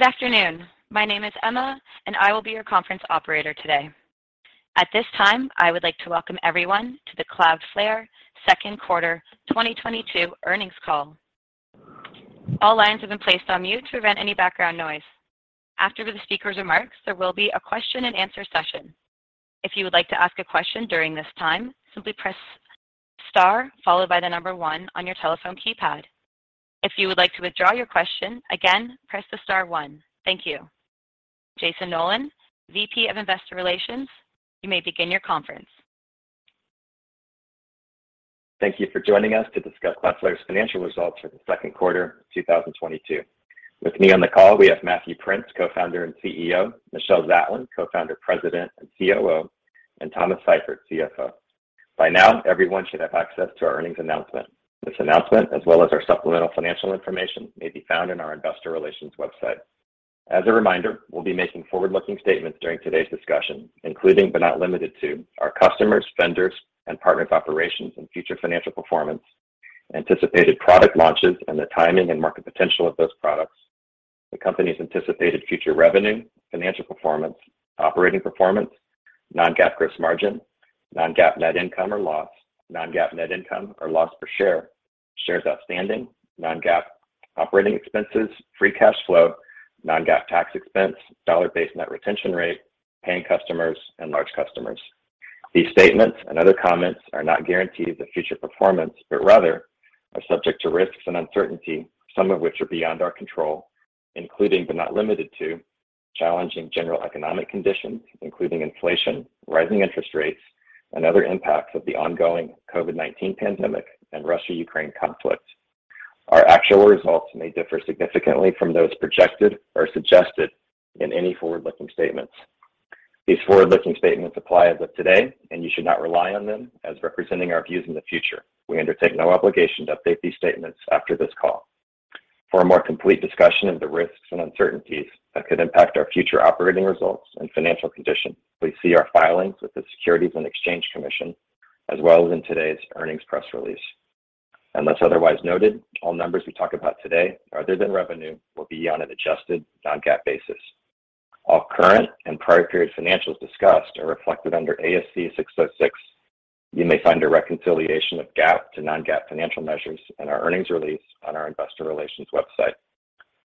Good afternoon. My name is Emma, and I will be your conference operator today. At this time, I would like to welcome everyone to the Cloudflare second quarter 2022 earnings call. All lines have been placed on mute to prevent any background noise. After the speaker's remarks, there will be a question and answer session. If you would like to ask a question during this time, simply press star followed by the number one on your telephone keypad. If you would like to withdraw your question, again, press the star one. Thank you. Jayson Noland, VP of Investor Relations, you may begin your conference. Thank you for joining us to discuss Cloudflare's financial results for the second quarter 2022. With me on the call, we have Matthew Prince, Co-founder and CEO, Michelle Zatlyn, Co-founder, President, COO, and Thomas Seifert, CFO. By now, everyone should have access to our earnings announcement. This announcement, as well as our supplemental financial information, may be found in our investor relations website. As a reminder, we'll be making forward-looking statements during today's discussion, including but not limited to our customers, vendors, and partners operations and future financial performance, anticipated product launches, and the timing and market potential of those products, the company's anticipated future revenue, financial performance, operating performance, non-GAAP gross margin, non-GAAP net income or loss, non-GAAP net income or loss per share, shares outstanding, non-GAAP operating expenses, free cash flow, non-GAAP tax expense, dollar-based net retention rate, paying customers, and large customers. These statements and other comments are not guarantees of future performance, but rather are subject to risks and uncertainty, some of which are beyond our control, including but not limited to challenging general economic conditions, including inflation, rising interest rates, and other impacts of the ongoing COVID-19 pandemic and Russia/Ukraine conflict. Our actual results may differ significantly from those projected or suggested in any forward-looking statements. These forward-looking statements apply as of today, and you should not rely on them as representing our views in the future. We undertake no obligation to update these statements after this call. For a more complete discussion of the risks and uncertainties that could impact our future operating results and financial condition, please see our filings with the Securities and Exchange Commission, as well as in today's earnings press release. Unless otherwise noted, all numbers we talk about today, other than revenue, will be on an adjusted non-GAAP basis. All current and prior period financials discussed are reflected under ASC 606. You may find a reconciliation of GAAP to non-GAAP financial measures in our earnings release on our investor relations website.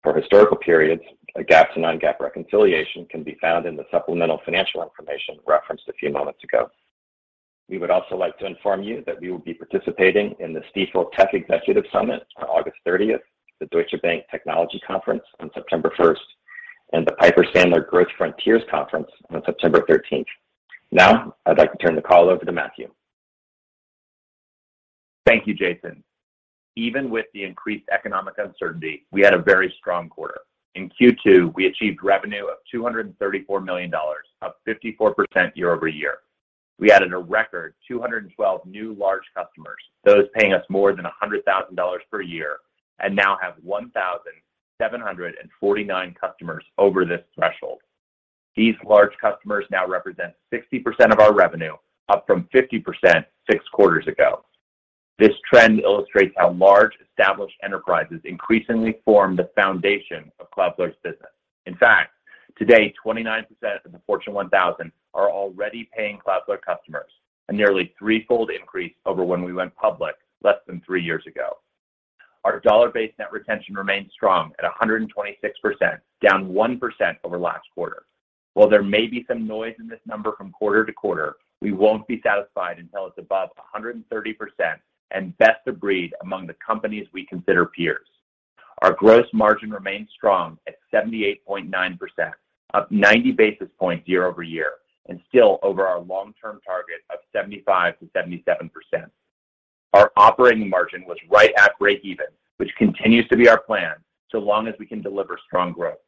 For historical periods, a GAAP to non-GAAP reconciliation can be found in the supplemental financial information referenced a few moments ago. We would also like to inform you that we will be participating in the Stifel Tech Executive Summit on August 30th, the Deutsche Bank Technology Conference on September 1st, and the Piper Sandler Growth Frontiers Conference on September 13th. Now, I'd like to turn the call over to Matthew. Thank you, Jayson. Even with the increased economic uncertainty, we had a very strong quarter. In Q2, we achieved revenue of $234 million, up 54% year-over-year. We added a record 212 new large customers, those paying us more than $100,000 per year, and now have 1,749 customers over this threshold. These large customers now represent 60% of our revenue, up from 50% six quarters ago. This trend illustrates how large established enterprises increasingly form the foundation of Cloudflare's business. In fact, today, 29% of the Fortune 1000 are already paying Cloudflare customers, a nearly threefold increase over when we went public less than three years ago. Our dollar-based net retention remains strong at 126%, down 1% over last quarter. While there may be some noise in this number from quarter to quarter, we won't be satisfied until it's above 130% and best of breed among the companies we consider peers. Our gross margin remains strong at 78.9%, up 90 basis points year-over-year and still over our long-term target of 75%-77%. Our operating margin was right at breakeven, which continues to be our plan so long as we can deliver strong growth.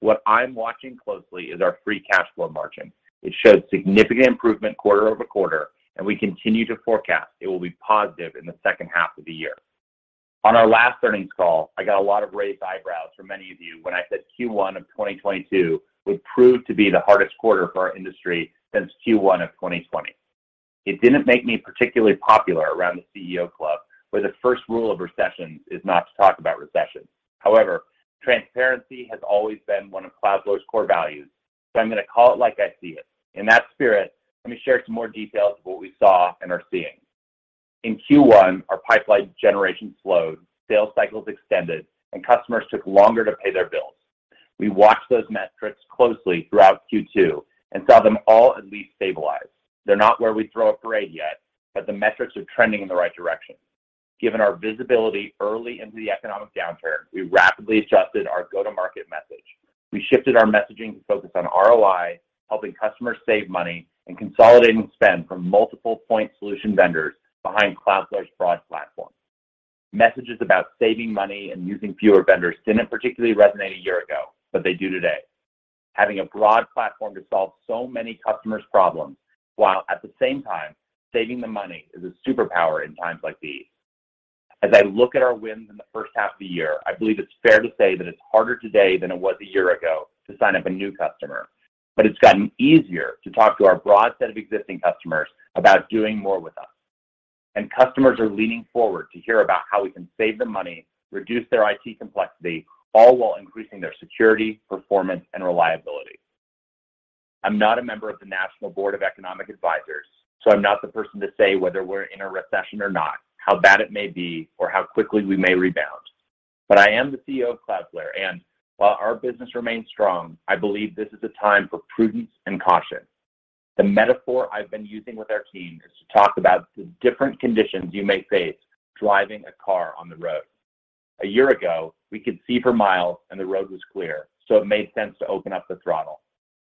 What I'm watching closely is our free cash flow margin. It showed significant improvement quarter-over-quarter, and we continue to forecast it will be positive in the second half of the year. On our last earnings call, I got a lot of raised eyebrows from many of you when I said Q1 of 2022 would prove to be the hardest quarter for our industry since Q1 of 2020. It didn't make me particularly popular around the CEO club, where the first rule of recessions is not to talk about recessions. However, transparency has always been one of Cloudflare's core values, so I'm going to call it like I see it. In that spirit, let me share some more details of what we saw and are seeing. In Q1, our pipeline generation slowed, sales cycles extended, and customers took longer to pay their bills. We watched those metrics closely throughout Q2 and saw them all at least stabilize. They're not where we'd throw a parade yet, but the metrics are trending in the right direction. Given our visibility early into the economic downturn, we rapidly adjusted our go-to-market message. We shifted our messaging to focus on ROI, helping customers save money, and consolidating spend from multiple point solution vendors behind Cloudflare's broad platform. Messages about saving money and using fewer vendors didn't particularly resonate a year ago, but they do today. Having a broad platform to solve so many customers' problems, while at the same time saving them money, is a superpower in times like these. As I look at our wins in the first half of the year, I believe it's fair to say that it's harder today than it was a year ago to sign up a new customer. It's gotten easier to talk to our broad set of existing customers about doing more with us. Customers are leaning forward to hear about how we can save them money, reduce their IT complexity, all while increasing their security, performance, and reliability. I'm not a member of the National Bureau of Economic Research, so I'm not the person to say whether we're in a recession or not, how bad it may be, or how quickly we may rebound. I am the CEO of Cloudflare, and while our business remains strong, I believe this is a time for prudence and caution. The metaphor I've been using with our team is to talk about the different conditions you may face driving a car on the road. A year ago, we could see for miles and the road was clear, so it made sense to open up the throttle.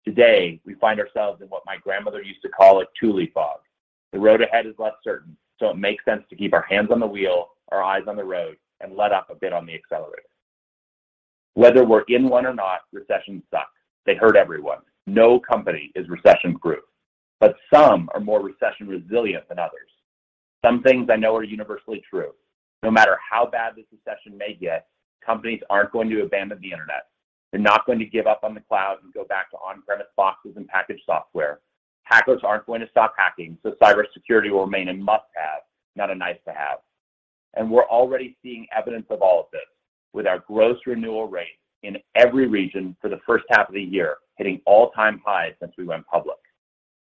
Today, we find ourselves in what my grandmother used to call a tule fog. The road ahead is less certain, so it makes sense to keep our hands on the wheel, our eyes on the road, and let up a bit on the accelerator. Whether we're in one or not, recessions suck. They hurt everyone. No company is recession-proof, but some are more recession resilient than others. Some things I know are universally true. No matter how bad this recession may get, companies aren't going to abandon the Internet. They're not going to give up on the cloud and go back to on-premise boxes and packaged software. Hackers aren't going to stop hacking, so cybersecurity will remain a must-have, not a nice-to-have. We're already seeing evidence of all of this, with our gross renewal rate in every region for the first half of the year hitting all-time highs since we went public.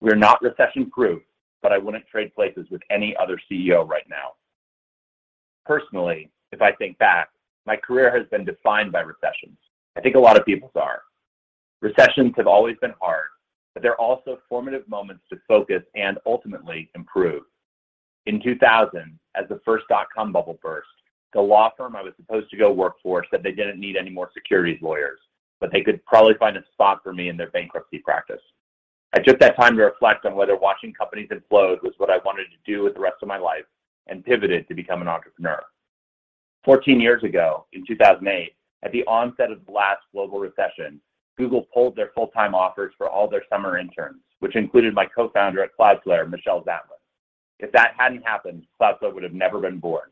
We're not recession-proof, but I wouldn't trade places with any other CEO right now. Personally, if I think back, my career has been defined by recessions. I think a lot of people's are. Recessions have always been hard, but they're also formative moments to focus and ultimately improve. In 2000, as the first dot-com bubble burst, the law firm I was supposed to go work for said they didn't need any more securities lawyers, but they could probably find a spot for me in their bankruptcy practice. I took that time to reflect on whether watching companies implode was what I wanted to do with the rest of my life and pivoted to become an entrepreneur. 14 years ago, in 2008, at the onset of the last global recession, Google pulled their full-time offers for all their summer interns, which included my co-founder at Cloudflare, Michelle Zatlyn. If that hadn't happened, Cloudflare would have never been born.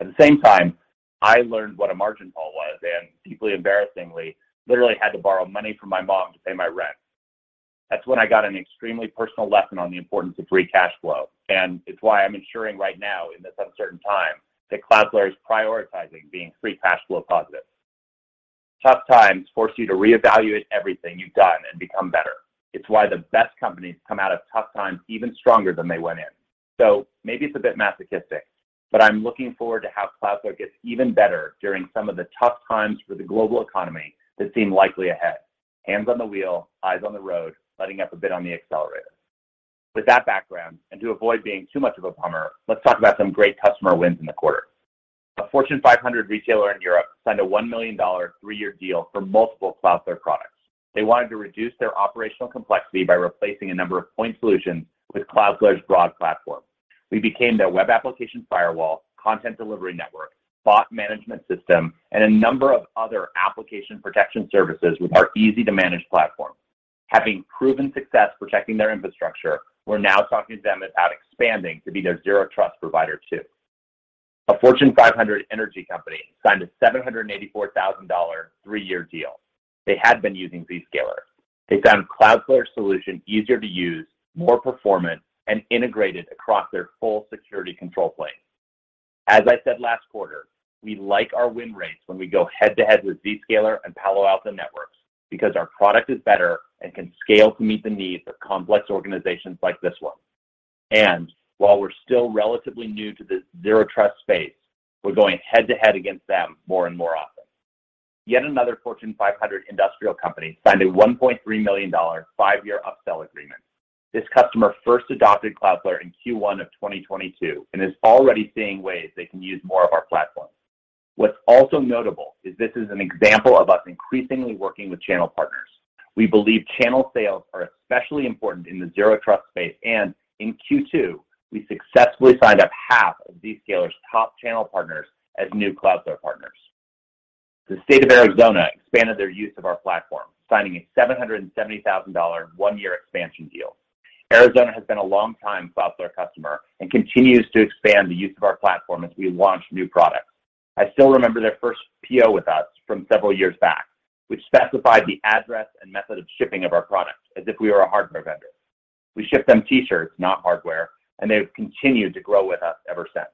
At the same time, I learned what a margin call was and, deeply embarrassingly, literally had to borrow money from my mom to pay my rent. That's when I got an extremely personal lesson on the importance of free cash flow, and it's why I'm ensuring right now, in this uncertain time, that Cloudflare is prioritizing being free cash flow positive. Tough times force you to reevaluate everything you've done and become better. It's why the best companies come out of tough times even stronger than they went in. Maybe it's a bit masochistic, but I'm looking forward to how Cloudflare gets even better during some of the tough times for the global economy that seem likely ahead. Hands on the wheel, eyes on the road, letting up a bit on the accelerator. With that background, and to avoid being too much of a bummer, let's talk about some great customer wins in the quarter. A Fortune 500 retailer in Europe signed a $1 million three-year deal for multiple Cloudflare products. They wanted to reduce their operational complexity by replacing a number of point solutions with Cloudflare's broad platform. We became their web application firewall, content delivery network, bot management system, and a number of other application protection services with our easy-to-manage platform. Having proven success protecting their infrastructure, we're now talking to them about expanding to be their zero-trust provider too. A Fortune 500 energy company signed a $784,000 three-year deal. They had been using Zscaler. They found Cloudflare's solution easier to use, more performant, and integrated across their full security control plane. As I said last quarter, we like our win rates when we go head-to-head with Zscaler and Palo Alto Networks because our product is better and can scale to meet the needs of complex organizations like this one. While we're still relatively new to the Zero Trust space, we're going head-to-head against them more and more often. Yet another Fortune 500 industrial company signed a $1.3 million five-year upsell agreement. This customer first adopted Cloudflare in Q1 of 2022 and is already seeing ways they can use more of our platform. What's also notable is this is an example of us increasingly working with channel partners. We believe channel sales are especially important in the zero-trust space. In Q2, we successfully signed up half of Zscaler's top channel partners as new Cloudflare partners. The state of Arizona expanded their use of our platform, signing a $770,000 one-year expansion deal. Arizona has been a long-time Cloudflare customer and continues to expand the use of our platform as we launch new products. I still remember their first PO with us from several years back, which specified the address and method of shipping of our product as if we were a hardware vendor. We ship them T-shirts, not hardware, and they've continued to grow with us ever since.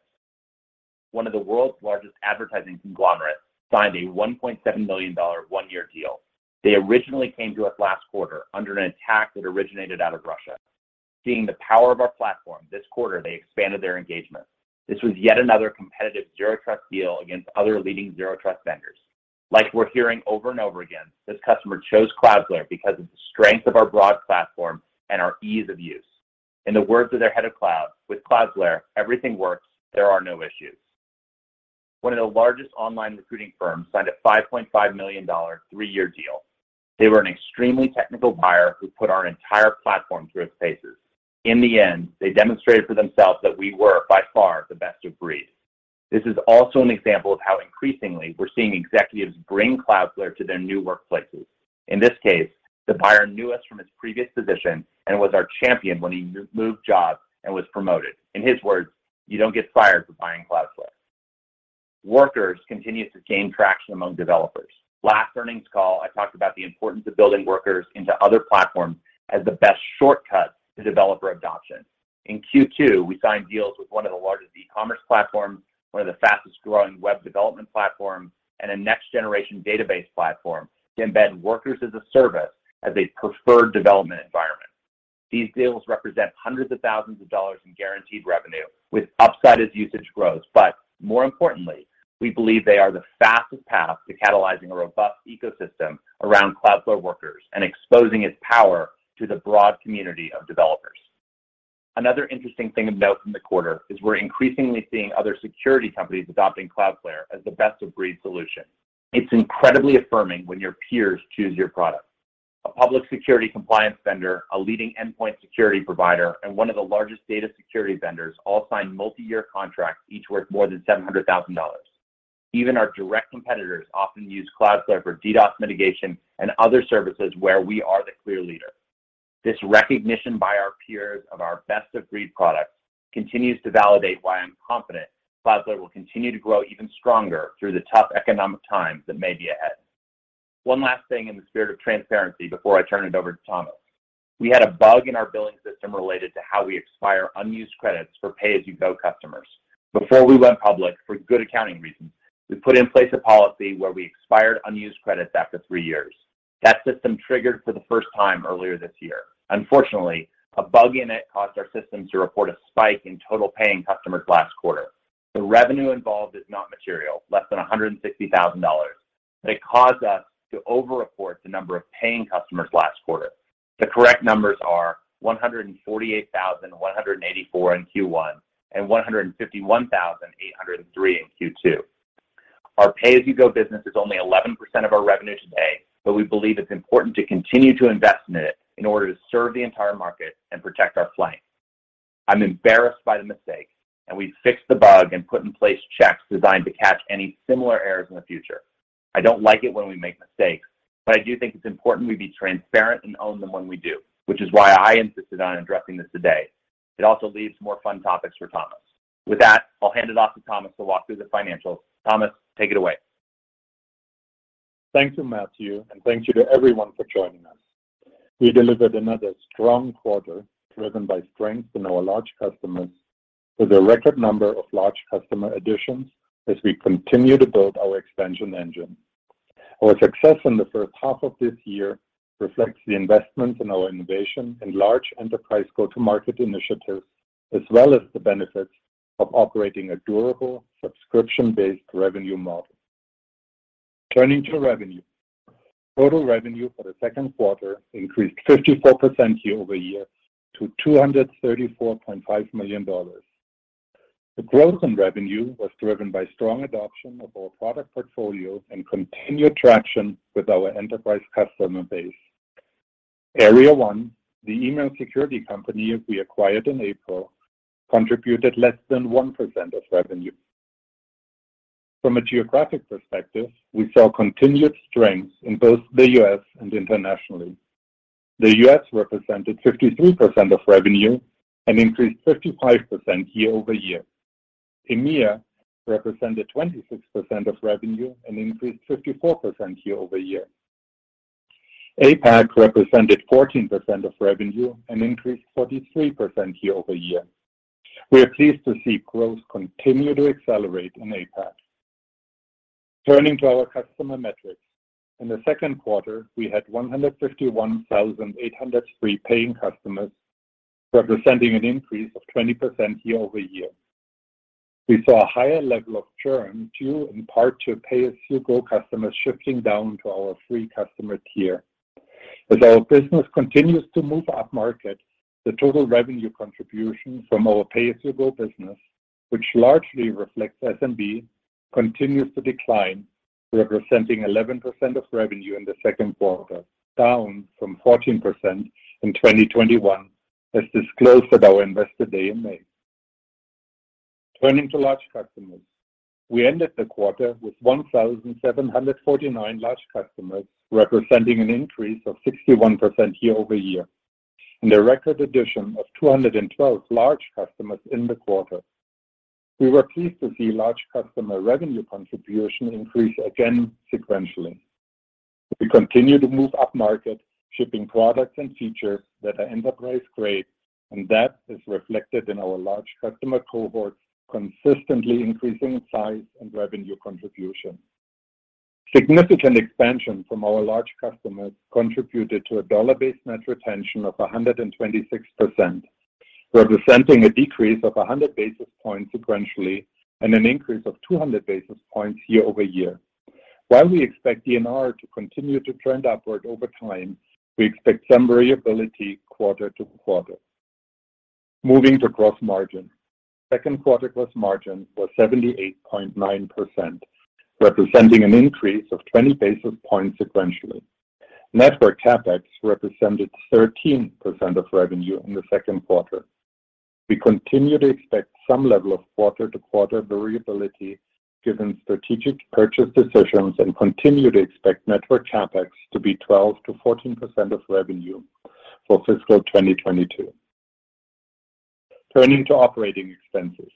One of the world's largest advertising conglomerates signed a $1.7 million one-year deal. They originally came to us last quarter under an attack that originated out of Russia. Seeing the power of our platform, this quarter they expanded their engagement. This was yet another competitive Zero Trust deal against other leading Zero Trust vendors. Like we're hearing over and over again, this customer chose Cloudflare because of the strength of our broad platform and our ease of use. In the words of their head of cloud, "With Cloudflare, everything works. There are no issues." One of the largest online recruiting firms signed a $5.5 million three-year deal. They were an extremely technical buyer who put our entire platform through its paces. In the end, they demonstrated for themselves that we were, by far, the best of breed. This is also an example of how increasingly we're seeing executives bring Cloudflare to their new workplaces. In this case, the buyer knew us from his previous position and was our champion when he moved jobs and was promoted. In his words, "You don't get fired for buying Cloudflare." Workers continues to gain traction among developers. Last earnings call, I talked about the importance of building Workers into other platforms as the best shortcut to developer adoption. In Q2, we signed deals with one of the largest e-commerce platforms, one of the fastest-growing web development platforms, and a next-generation database platform to embed Workers as a service as a preferred development environment. These deals represent hundreds of thousands of dollars in guaranteed revenue with upside as usage grows. More importantly, we believe they are the fastest path to catalyzing a robust ecosystem around Cloudflare Workers and exposing its power to the broad community of developers. Another interesting thing of note from the quarter is we're increasingly seeing other security companies adopting Cloudflare as the best-of-breed solution. It's incredibly affirming when your peers choose your product. A public security compliance vendor, a leading endpoint security provider, and one of the largest data security vendors all signed multi-year contracts, each worth more than $700,000. Even our direct competitors often use Cloudflare for DDoS mitigation and other services where we are the clear leader. This recognition by our peers of our best-of-breed products continues to validate why I'm confident Cloudflare will continue to grow even stronger through the tough economic times that may be ahead. One last thing in the spirit of transparency before I turn it over to Thomas. We had a bug in our billing system related to how we expire unused credits for pay-as-you-go customers. Before we went public, for good accounting reasons, we put in place a policy where we expired unused credits after three years. That system triggered for the first time earlier this year. Unfortunately, a bug in it caused our systems to report a spike in total paying customers last quarter. The revenue involved is not material, less than $160,000, but it caused us to over-report the number of paying customers last quarter. The correct numbers are 148,184 in Q1 and 151,803 in Q2. Our pay-as-you-go business is only 11% of our revenue today, but we believe it's important to continue to invest in it in order to serve the entire market and protect our flank. I'm embarrassed by the mistake, and we fixed the bug and put in place checks designed to catch any similar errors in the future. I don't like it when we make mistakes, but I do think it's important we be transparent and own them when we do, which is why I insisted on addressing this today. It also leaves more fun topics for Thomas. With that, I'll hand it off to Thomas to walk through the financials. Thomas, take it away. Thank you, Matthew, and thank you to everyone for joining us. We delivered another strong quarter driven by strength in our large customers with a record number of large customer additions as we continue to build our expansion engine. Our success in the first half of this year reflects the investment in our innovation and large enterprise go-to-market initiatives, as well as the benefits of operating a durable subscription-based revenue model. Turning to revenue. Total revenue for the second quarter increased 54% year-over-year to $234.5 million. The growth in revenue was driven by strong adoption of our product portfolio and continued traction with our enterprise customer base. Area 1, the email security company we acquired in April, contributed less than 1% of revenue. From a geographic perspective, we saw continued strength in both the U.S. and internationally. The U.S. represented 53% of revenue and increased 55% year-over-year. EMEA represented 26% of revenue and increased 54% year-over-year. APAC represented 14% of revenue and increased 43% year-over-year. We are pleased to see growth continue to accelerate in APAC. Turning to our customer metrics. In the second quarter, we had 151,803 paying customers, representing an increase of 20% year-over-year. We saw a higher level of churn, due in part to pay-as-you-go customers shifting down to our free customer tier. As our business continues to move upmarket, the total revenue contribution from our pay-as-you-go business, which largely reflects SMB, continues to decline, representing 11% of revenue in the second quarter, down from 14% in 2021, as disclosed at our Investor Day in May. Turning to large customers. We ended the quarter with 1,749 large customers, representing an increase of 61% year-over-year, and a record addition of 212 large customers in the quarter. We were pleased to see large customer revenue contribution increase again sequentially. We continue to move upmarket, shipping products and features that are enterprise-grade, and that is reflected in our large customer cohorts consistently increasing in size and revenue contribution. Significant expansion from our large customers contributed to a dollar-based net retention of 126%, representing a decrease of 100 basis points sequentially and an increase of 200 basis points year-over-year. While we expect DNR to continue to trend upward over time, we expect some variability quarter to quarter. Moving to gross margin. Second quarter gross margin was 78.9%, representing an increase of 20 basis points sequentially. Network CapEx represented 13% of revenue in the second quarter. We continue to expect some level of quarter-to-quarter variability given strategic purchase decisions, and continue to expect Network CapEx to be 12%-14% of revenue for fiscal 2022. Turning to operating expenses.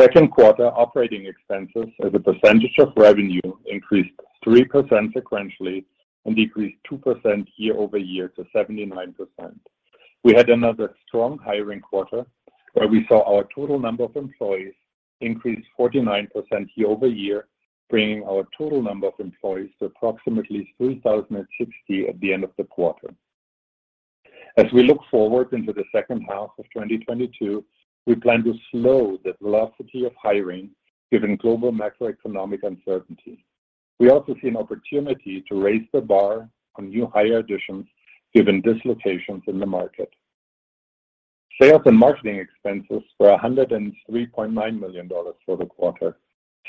Second quarter operating expenses as a percentage of revenue increased 3% sequentially and decreased 2% year over year to 79%. We had another strong hiring quarter where we saw our total number of employees increase 49% year over year, bringing our total number of employees to approximately 3,060 at the end of the quarter. As we look forward into the second half of 2022, we plan to slow the velocity of hiring given global macroeconomic uncertainty. We also see an opportunity to raise the bar on new hire additions given dislocations in the market. Sales and marketing expenses were $103.9 million for the quarter.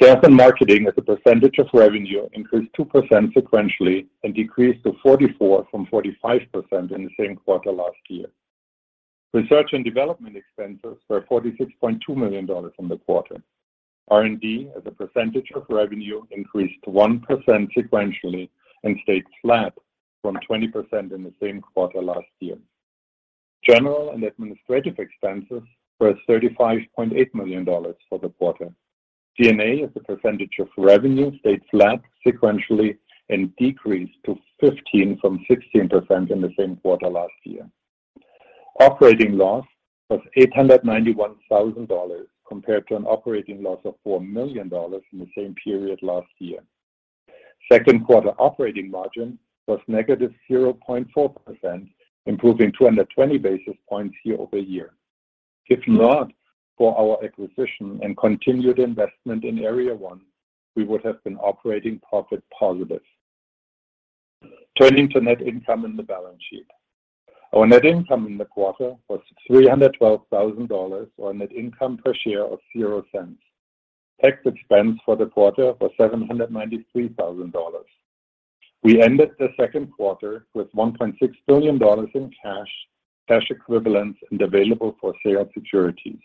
Sales and marketing as a percentage of revenue increased 2% sequentially and decreased to 44% from 45% in the same quarter last year. Research and development expenses were $46.2 million in the quarter. R&D as a percentage of revenue increased 1% sequentially and stayed flat from 20% in the same quarter last year. General and administrative expenses were $35.8 million for the quarter. G&A as a percentage of revenue stayed flat sequentially and decreased to 15% from 16% in the same quarter last year. Operating loss was $891 thousand compared to an operating loss of $4 million in the same period last year. Second quarter operating margin was -0.4%, improving 220 basis points year-over-year. If not for our acquisition and continued investment in Area 1, we would have been operating profit positive. Turning to net income and the balance sheet. Our net income in the quarter was $312,000, or a net income per share of $0.00. Tax expense for the quarter was $793,000. We ended the second quarter with $1.6 billion in cash equivalents, and available for sale securities.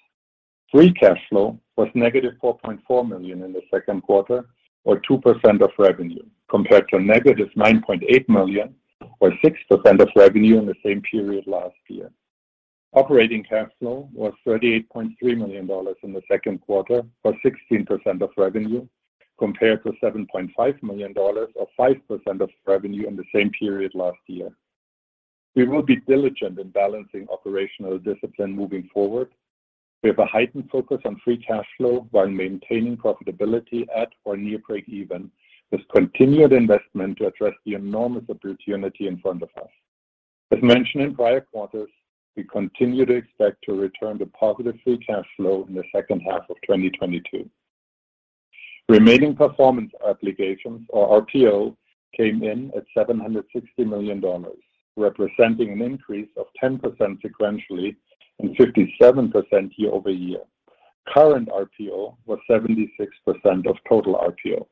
Free cash flow was -$4.4 million in the second quarter, or 2% of revenue, compared to -$9.8 million or 6% of revenue in the same period last year. Operating cash flow was $38.3 million in the second quarter, or 16% of revenue, compared to $7.5 million or 5% of revenue in the same period last year. We will be diligent in balancing operational discipline moving forward. We have a heightened focus on free cash flow while maintaining profitability at or near break even with continued investment to address the enormous opportunity in front of us. As mentioned in prior quarters, we continue to expect to return to positive free cash flow in the second half of 2022. Remaining performance obligations or RPO came in at $760 million, representing an increase of 10% sequentially and 57% year-over-year. Current RPO was 76% of total RPO.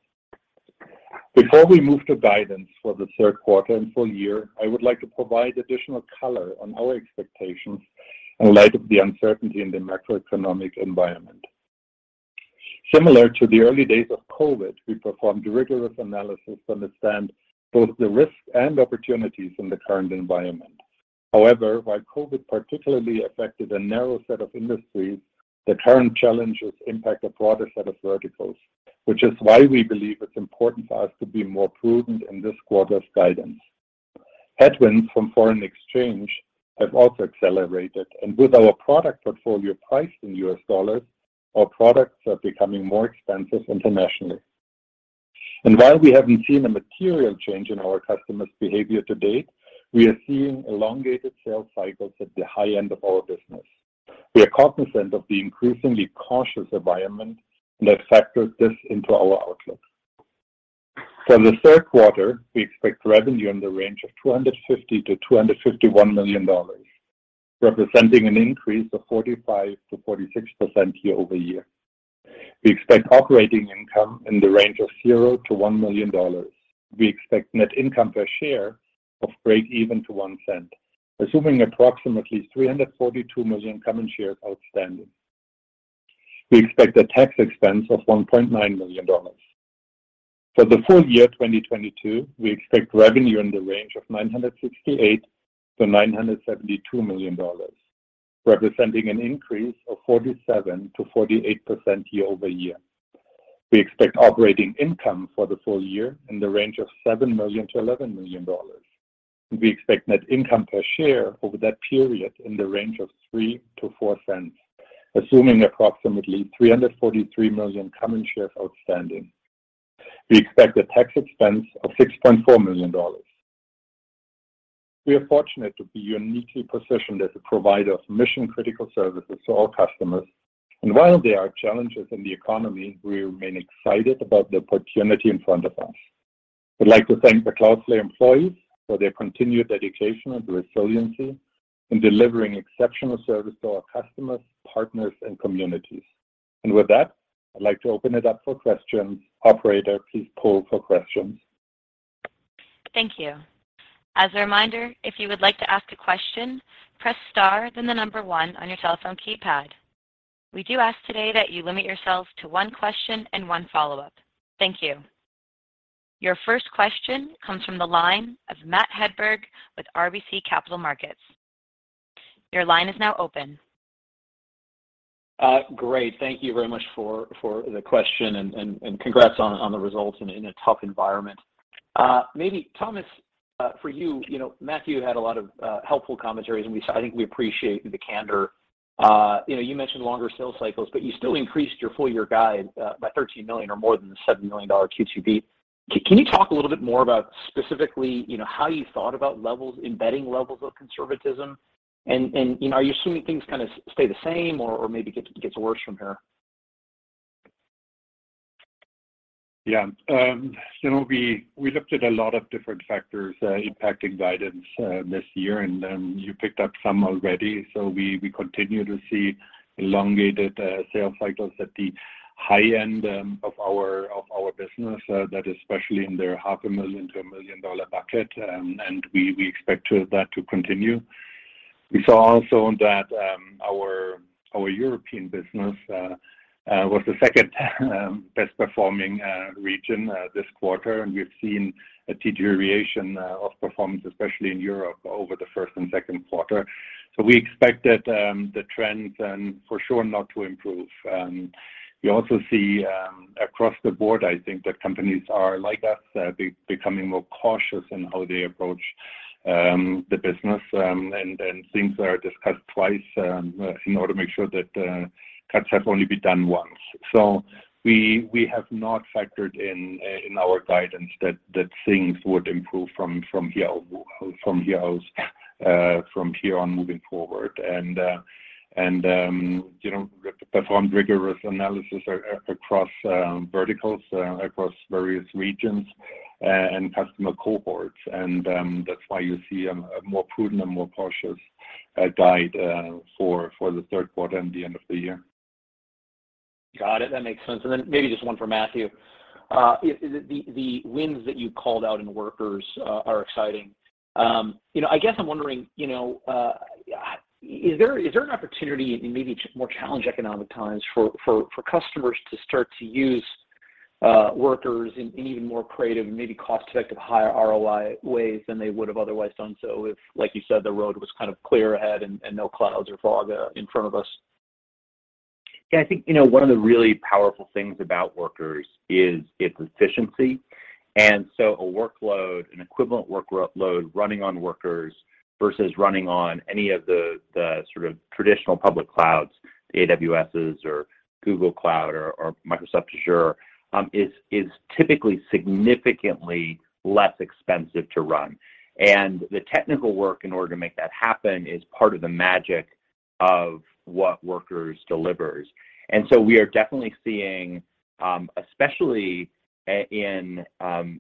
Before we move to guidance for the third quarter and full year, I would like to provide additional color on our expectations in light of the uncertainty in the macroeconomic environment. Similar to the early days of COVID, we performed rigorous analysis to understand both the risks and opportunities in the current environment. However, while COVID particularly affected a narrow set of industries, the current challenges impact a broader set of verticals, which is why we believe it's important for us to be more prudent in this quarter's guidance. Headwinds from foreign exchange have also accelerated, and with our product portfolio priced in US dollars, our products are becoming more expensive internationally. While we haven't seen a material change in our customers' behavior to date, we are seeing elongated sales cycles at the high end of our business. We are cognizant of the increasingly cautious environment and have factored this into our outlook. For the third quarter, we expect revenue in the range of $250 million-$251 million, representing an increase of 45%-46% year-over-year. We expect operating income in the range of $0-$1 million. We expect net income per share of break-even to $0.01, assuming approximately 342 million common shares outstanding. We expect a tax expense of $1.9 million. For the full year 2022, we expect revenue in the range of $968 million-$972 million, representing an increase of 47%-48% year-over-year. We expect operating income for the full year in the range of $7 million-$11 million. We expect net income per share over that period in the range of $0.03-$0.04, assuming approximately 343 million common shares outstanding. We expect a tax expense of $6.4 million. We are fortunate to be uniquely positioned as a provider of mission-critical services to our customers. While there are challenges in the economy, we remain excited about the opportunity in front of us. I'd like to thank the Cloudflare employees for their continued dedication and resiliency in delivering exceptional service to our customers, partners, and communities. With that, I'd like to open it up for questions. Operator, please poll for questions. Thank you. As a reminder, if you would like to ask a question, press star then the number one on your telephone keypad. We do ask today that you limit yourselves to one question and one follow-up. Thank you. Your first question comes from the line of Matthew Hedberg with RBC Capital Markets. Your line is now open. Great. Thank you very much for the question and congrats on the results in a tough environment. Maybe Thomas, for you know, Matthew had a lot of helpful commentaries, and I think we appreciate the candor. You know, you mentioned longer sales cycles, but you still increased your full-year guide by $13 million or more than the $7 million Q2 beat. Can you talk a little bit more about specifically, you know, how you thought about levels, embedding levels of conservatism and, you know, are you assuming things kinda stay the same or maybe gets worse from here? Yeah. You know, we looked at a lot of different factors impacting guidance this year, and you picked up some already. We continue to see elongated sales cycles at the high end of our business, that especially in the $500,000-$1 million bucket. We expect that to continue. We saw also that our European business was the second best performing region this quarter, and we've seen a deterioration of performance, especially in Europe over the first and second quarter. We expect that the trends for sure not to improve. We also see across the board, I think that companies are, like us, becoming more cautious in how they approach the business. Things are discussed twice in order to make sure that cuts have only been done once. We have not factored in our guidance that things would improve from here on moving forward. You know, we performed rigorous analysis across verticals across various regions and customer cohorts. That's why you see a more prudent and more cautious guide for the third quarter and the end of the year. Got it. That makes sense. Maybe just one for Matthew. The wins that you called out in Workers are exciting. You know, I guess I'm wondering, you know, is there an opportunity in maybe more challenged economic times for customers to start to use Workers in even more creative and maybe cost-effective, higher ROI ways than they would have otherwise done so if, like you said, the road was kind of clear ahead and no clouds or fog in front of us? Yeah, I think, you know, one of the really powerful things about Workers is its efficiency. A workload, an equivalent workload running on Workers versus running on any of the sort of traditional public clouds, the AWS's or Google Cloud or Microsoft Azure, is typically significantly less expensive to run. The technical work in order to make that happen is part of the magic of what Workers delivers. We are definitely seeing, especially in,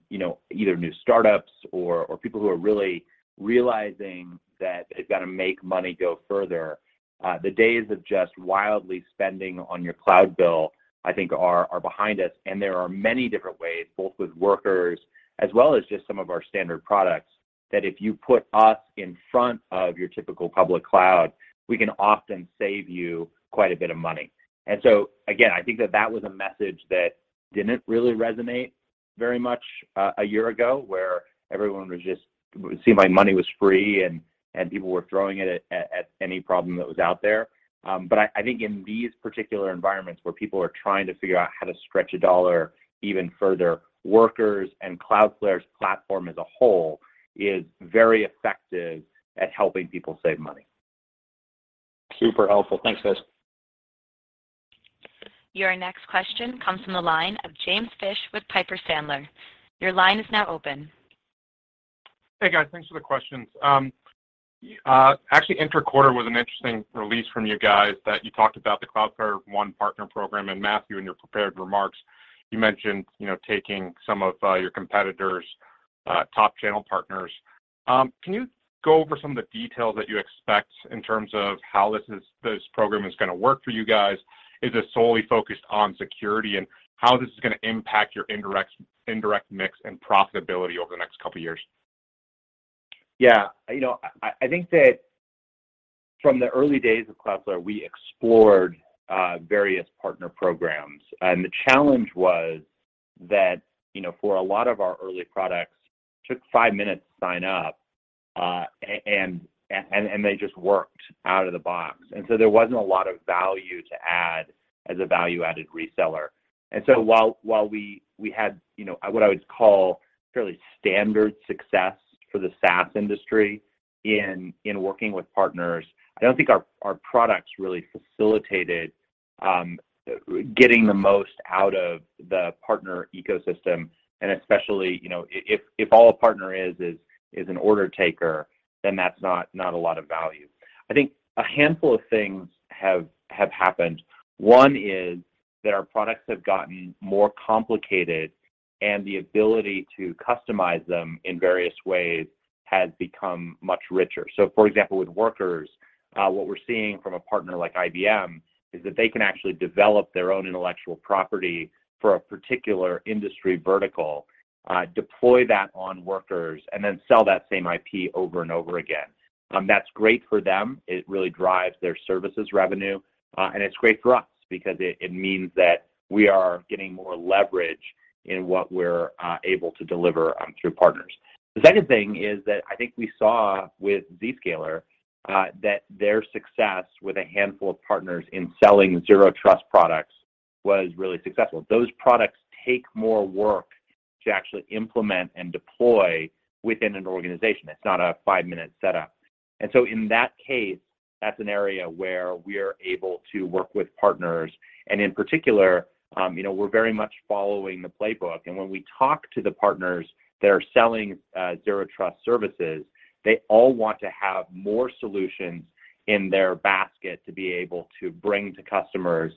you know, either new startups or people who are really realizing that they've got to make money go further. The days of just wildly spending on your cloud bill, I think are behind us. There are many different ways, both with Workers as well as just some of our standard products, that if you put us in front of your typical public cloud, we can often save you quite a bit of money. Again, I think that was a message that didn't really resonate very much a year ago, where everyone was just. It seemed like money was free and people were throwing it at any problem that was out there. I think in these particular environments where people are trying to figure out how to stretch a dollar even further, Workers and Cloudflare's platform as a whole is very effective at helping people save money. Super helpful. Thanks, guys. Your next question comes from the line of James Fish with Piper Sandler. Your line is now open. Hey, guys. Thanks for the questions. Actually interquarter was an interesting release from you guys that you talked about the Cloudflare One partner program, and Matthew, in your prepared remarks, you mentioned, you know, taking some of your competitors' top channel partners. Can you go over some of the details that you expect in terms of how this program is gonna work for you guys? Is it solely focused on security, and how this is gonna impact your indirect mix and profitability over the next couple years? Yeah. You know, I think that from the early days of Cloudflare, we explored various partner programs, and the challenge was that, you know, for a lot of our early products took five minutes to sign up, and they just worked out of the box. There wasn't a lot of value to add as a value-added reseller. While we had, you know, what I would call fairly standard success for the SaaS industry in working with partners, I don't think our products really facilitated getting the most out of the partner ecosystem. Especially, you know, if all a partner is an order taker, then that's not a lot of value. I think a handful of things have happened. One is that our products have gotten more complicated, and the ability to customize them in various ways has become much richer. So for example, with Workers, what we're seeing from a partner like IBM is that they can actually develop their own intellectual property for a particular industry vertical, deploy that on Workers, and then sell that same IP over and over again. That's great for them. It really drives their services revenue. It's great for us because it means that we are getting more leverage in what we're able to deliver through partners. The second thing is that I think we saw with Zscaler that their success with a handful of partners in selling Zero Trust products was really successful. Those products take more work to actually implement and deploy within an organization. It's not a five-minute setup. In that case, that's an area where we are able to work with partners. In particular, you know, we're very much following the playbook. When we talk to the partners that are selling zero trust services, they all want to have more solutions in their basket to be able to bring to customers.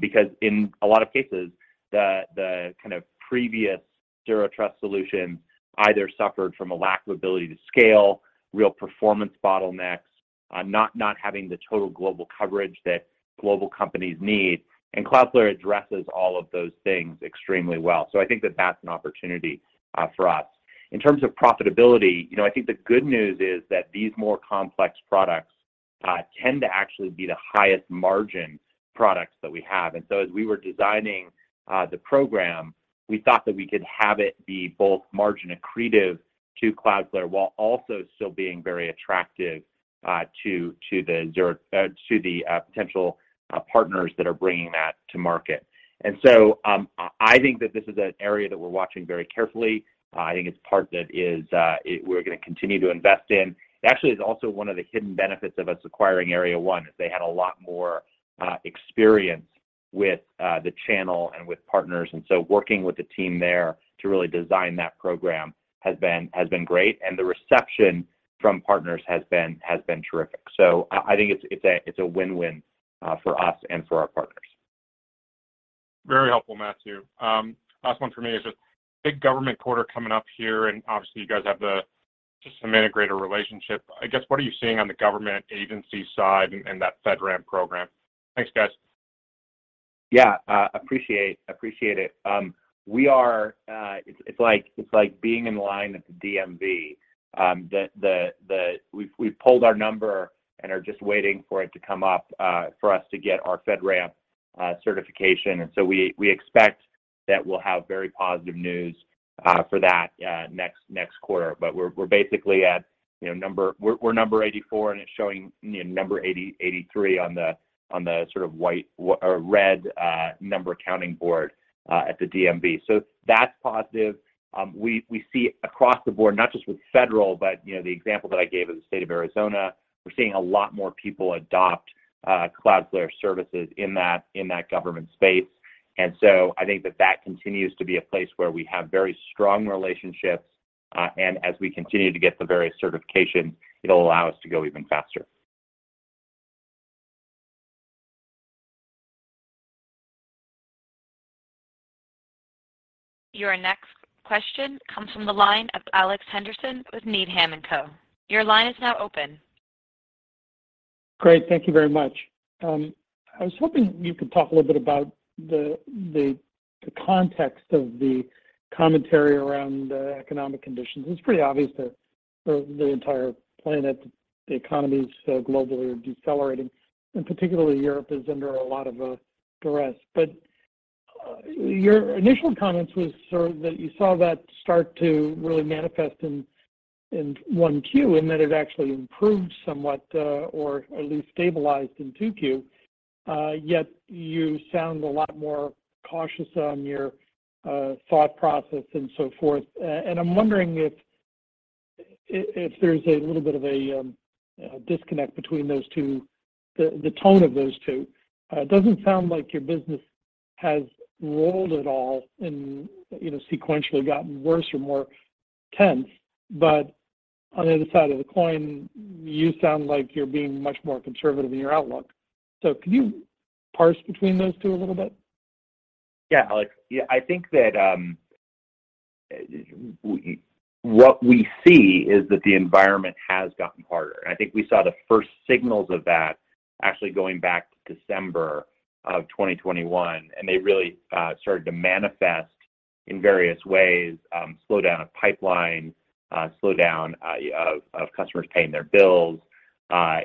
Because in a lot of cases, the kind of previous zero trust solution either suffered from a lack of ability to scale, real performance bottlenecks, not having the total global coverage that global companies need. Cloudflare addresses all of those things extremely well. I think that that's an opportunity for us. In terms of profitability, you know, I think the good news is that these more complex products tend to actually be the highest margin products that we have. As we were designing the program, we thought that we could have it be both margin accretive to Cloudflare while also still being very attractive to the potential partners that are bringing that to market. I think that this is an area that we're watching very carefully. I think it's a part that we're gonna continue to invest in. It actually is also one of the hidden benefits of us acquiring Area 1, is they had a lot more experience with the channel and with partners. Working with the team there to really design that program has been great, and the reception from partners has been terrific. I think it's a win-win for us and for our partners. Very helpful, Matthew. Last one for me is just big government quarter coming up here, and obviously you guys have just some integrator relationship. I guess, what are you seeing on the government agency side and that FedRAMP program? Thanks, guys. Yeah. Appreciate it. It's like being in line at the DMV. We've pulled our number and are just waiting for it to come up for us to get our FedRAMP certification. We expect that we'll have very positive news for that next quarter. We're basically at, you know, number, we're number 84, and it's showing, you know, number 83 on the sort of white or red number counting board at the DMV. That's positive. We see across the board, not just with federal, but, you know, the example that I gave of the State of Arizona. We're seeing a lot more people adopt Cloudflare's services in that government space. And so I think that continues to be a place where we have very strong relationships, and as we continue to get the various certifications, it'll allow us to go even faster. Your next question comes from the line of Alex Henderson with Needham & Company. Your line is now open. Great. Thank you very much. I was hoping you could talk a little bit about the context of the commentary around economic conditions. It's pretty obvious that the entire planet, the economies globally are decelerating, and particularly Europe is under a lot of duress. Your initial comments were sort of that you saw that start to really manifest in 1Q, and that it actually improved somewhat or at least stabilized in 2Q. Yet you sound a lot more cautious on your thought process and so forth. I'm wondering if there's a little bit of a disconnect between those two, the tone of those two. It doesn't sound like your business has slowed at all and, you know, sequentially gotten worse or more tense. But on the other side of the coin, you sound like you're being much more conservative in your outlook. Can you parse between those two a little bit? Yeah, Alex. Yeah, I think that what we see is that the environment has gotten harder. I think we saw the first signals of that actually going back to December of 2021, and they really started to manifest in various ways, slowdown of pipeline, slowdown of customers paying their bills,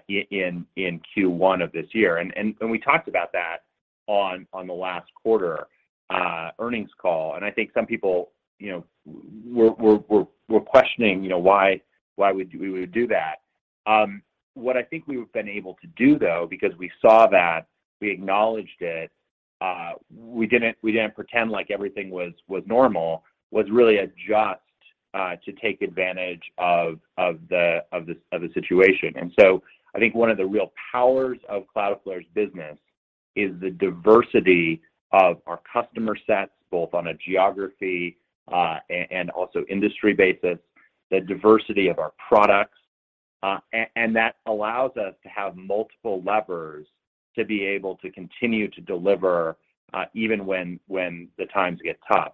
in Q1 of this year. We talked about that on the last quarter earnings call. I think some people, you know, were questioning, you know, why we would do that. What I think we've been able to do though, because we saw that, we acknowledged it, we didn't pretend like everything was normal. We really adjusted to take advantage of the situation. I think one of the real powers of Cloudflare's business is the diversity of our customer sets, both on a geography, and also industry basis, the diversity of our products. That allows us to have multiple levers to be able to continue to deliver, even when the times get tough.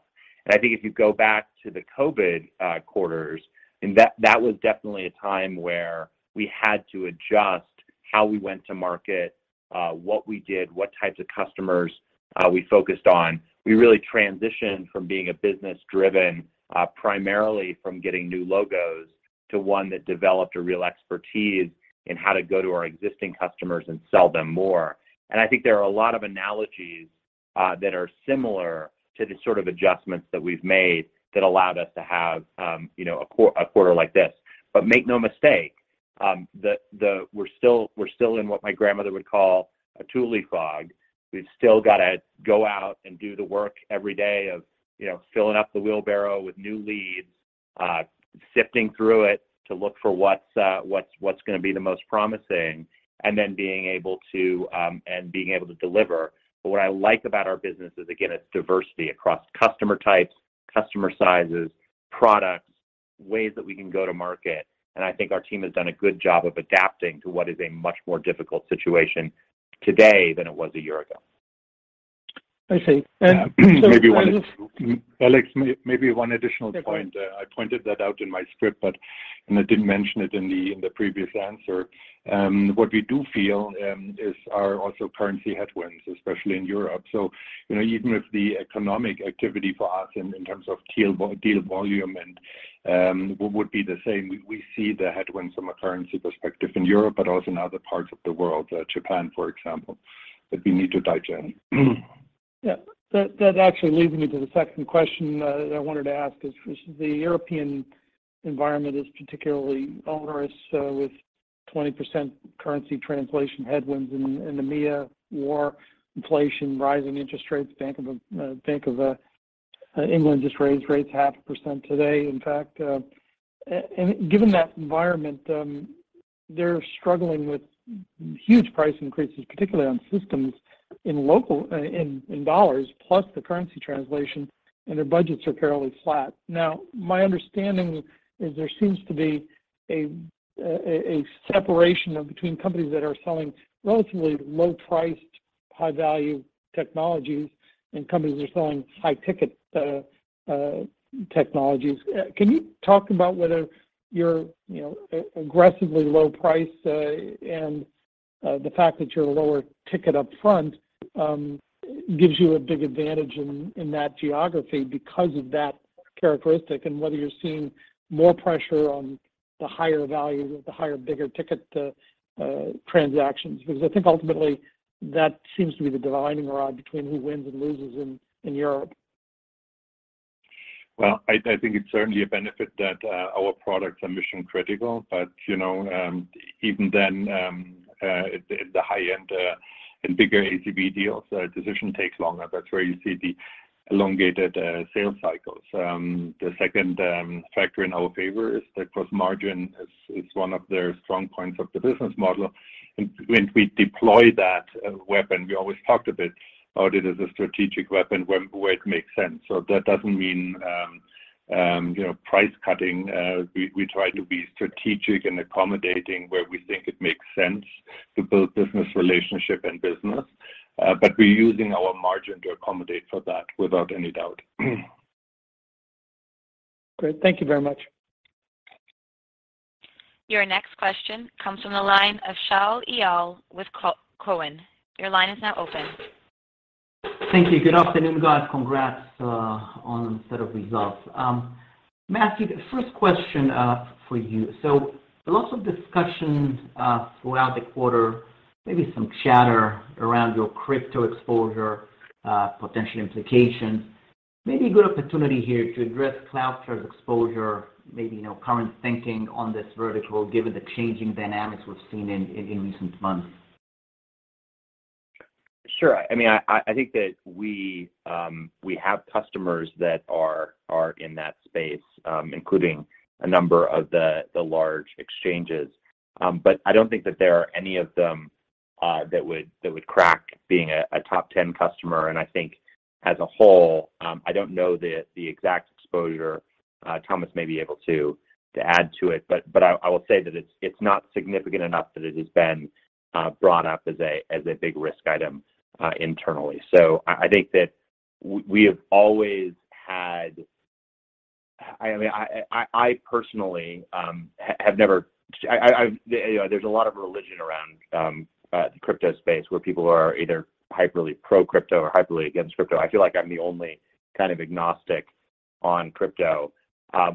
I think if you go back to the COVID quarters, and that was definitely a time where we had to adjust how we went to market, what we did, what types of customers we focused on. We really transitioned from being a business driven, primarily from getting new logos to one that developed a real expertise in how to go to our existing customers and sell them more. I think there are a lot of analogies that are similar to the sort of adjustments that we've made that allowed us to have, you know, a quarter like this. Make no mistake, we're still in what my grandmother would call a tule fog. We've still gotta go out and do the work every day of, you know, filling up the wheelbarrow with new leads, sifting through it to look for what's gonna be the most promising, and then being able to deliver. What I like about our business is, again, its diversity across customer types, customer sizes, products, ways that we can go to market and I think our team has done a good job of adapting to what is a much more difficult situation today than it was a year ago. I see. Yeah. Alex, maybe one additional point. Okay. I pointed that out in my script, and I didn't mention it in the previous answer. What we do feel is also our currency headwinds, especially in Europe. You know, even if the economic activity for us in terms of deal volume and what would be the same, we see the headwinds from a currency perspective in Europe, but also in other parts of the world, Japan, for example, that we need to digest. Yeah. That actually leads me to the second question that I wanted to ask is the European environment particularly onerous with 20% currency translation headwinds in EMEA, war, inflation, rising interest rates. Bank of England just raised rates half a percent today, in fact. Given that environment, they're struggling with huge price increases, particularly on systems in local in dollars, plus the currency translation, and their budgets are fairly flat. Now, my understanding is there seems to be a separation between companies that are selling relatively low-priced, high-value technologies and companies that are selling high-ticket technologies. Can you talk about whether you're, you know, aggressively low price, and the fact that you're a lower ticket up front gives you a big advantage in that geography because of that characteristic, and whether you're seeing more pressure on the higher value, bigger ticket transactions? Because I think ultimately that seems to be the dividing line between who wins and loses in Europe. I think it's certainly a benefit that our products are mission-critical. You know, even then, at the high end, in bigger ACV deals, the decision takes longer. That's where you see the elongated sales cycles. The second factor in our favor is the gross margin is one of their strong points of the business model. When we deploy that weapon, we always talked a bit about it as a strategic weapon where it makes sense. That doesn't mean, you know, price cutting. We try to be strategic and accommodating where we think it makes sense to build business relationship and business. We're using our margin to accommodate for that, without any doubt. Great. Thank you very much. Your next question comes from the line of Shaul Eyal with Cowen. Your line is now open. Thank you. Good afternoon, guys. Congrats on the set of results. Matthew, the first question for you. There was some discussion throughout the quarter, maybe some chatter around your crypto exposure, potential implications. Maybe a good opportunity here to address Cloudflare's exposure, maybe, you know, current thinking on this vertical given the changing dynamics we've seen in recent months. Sure. I mean, I think that we have customers that are in that space, including a number of the large exchanges. I don't think that there are any of them that would crack being a top 10 customer. I think as a whole, I don't know the exact exposure. Thomas may be able to add to it, but I will say that it's not significant enough that it has been brought up as a big risk item internally. I think that we have always had. I mean, I personally have never. You know, there's a lot of religion around the crypto space where people are either hyperly pro-crypto or hyperly against crypto. I feel like I'm the only kind of agnostic on crypto,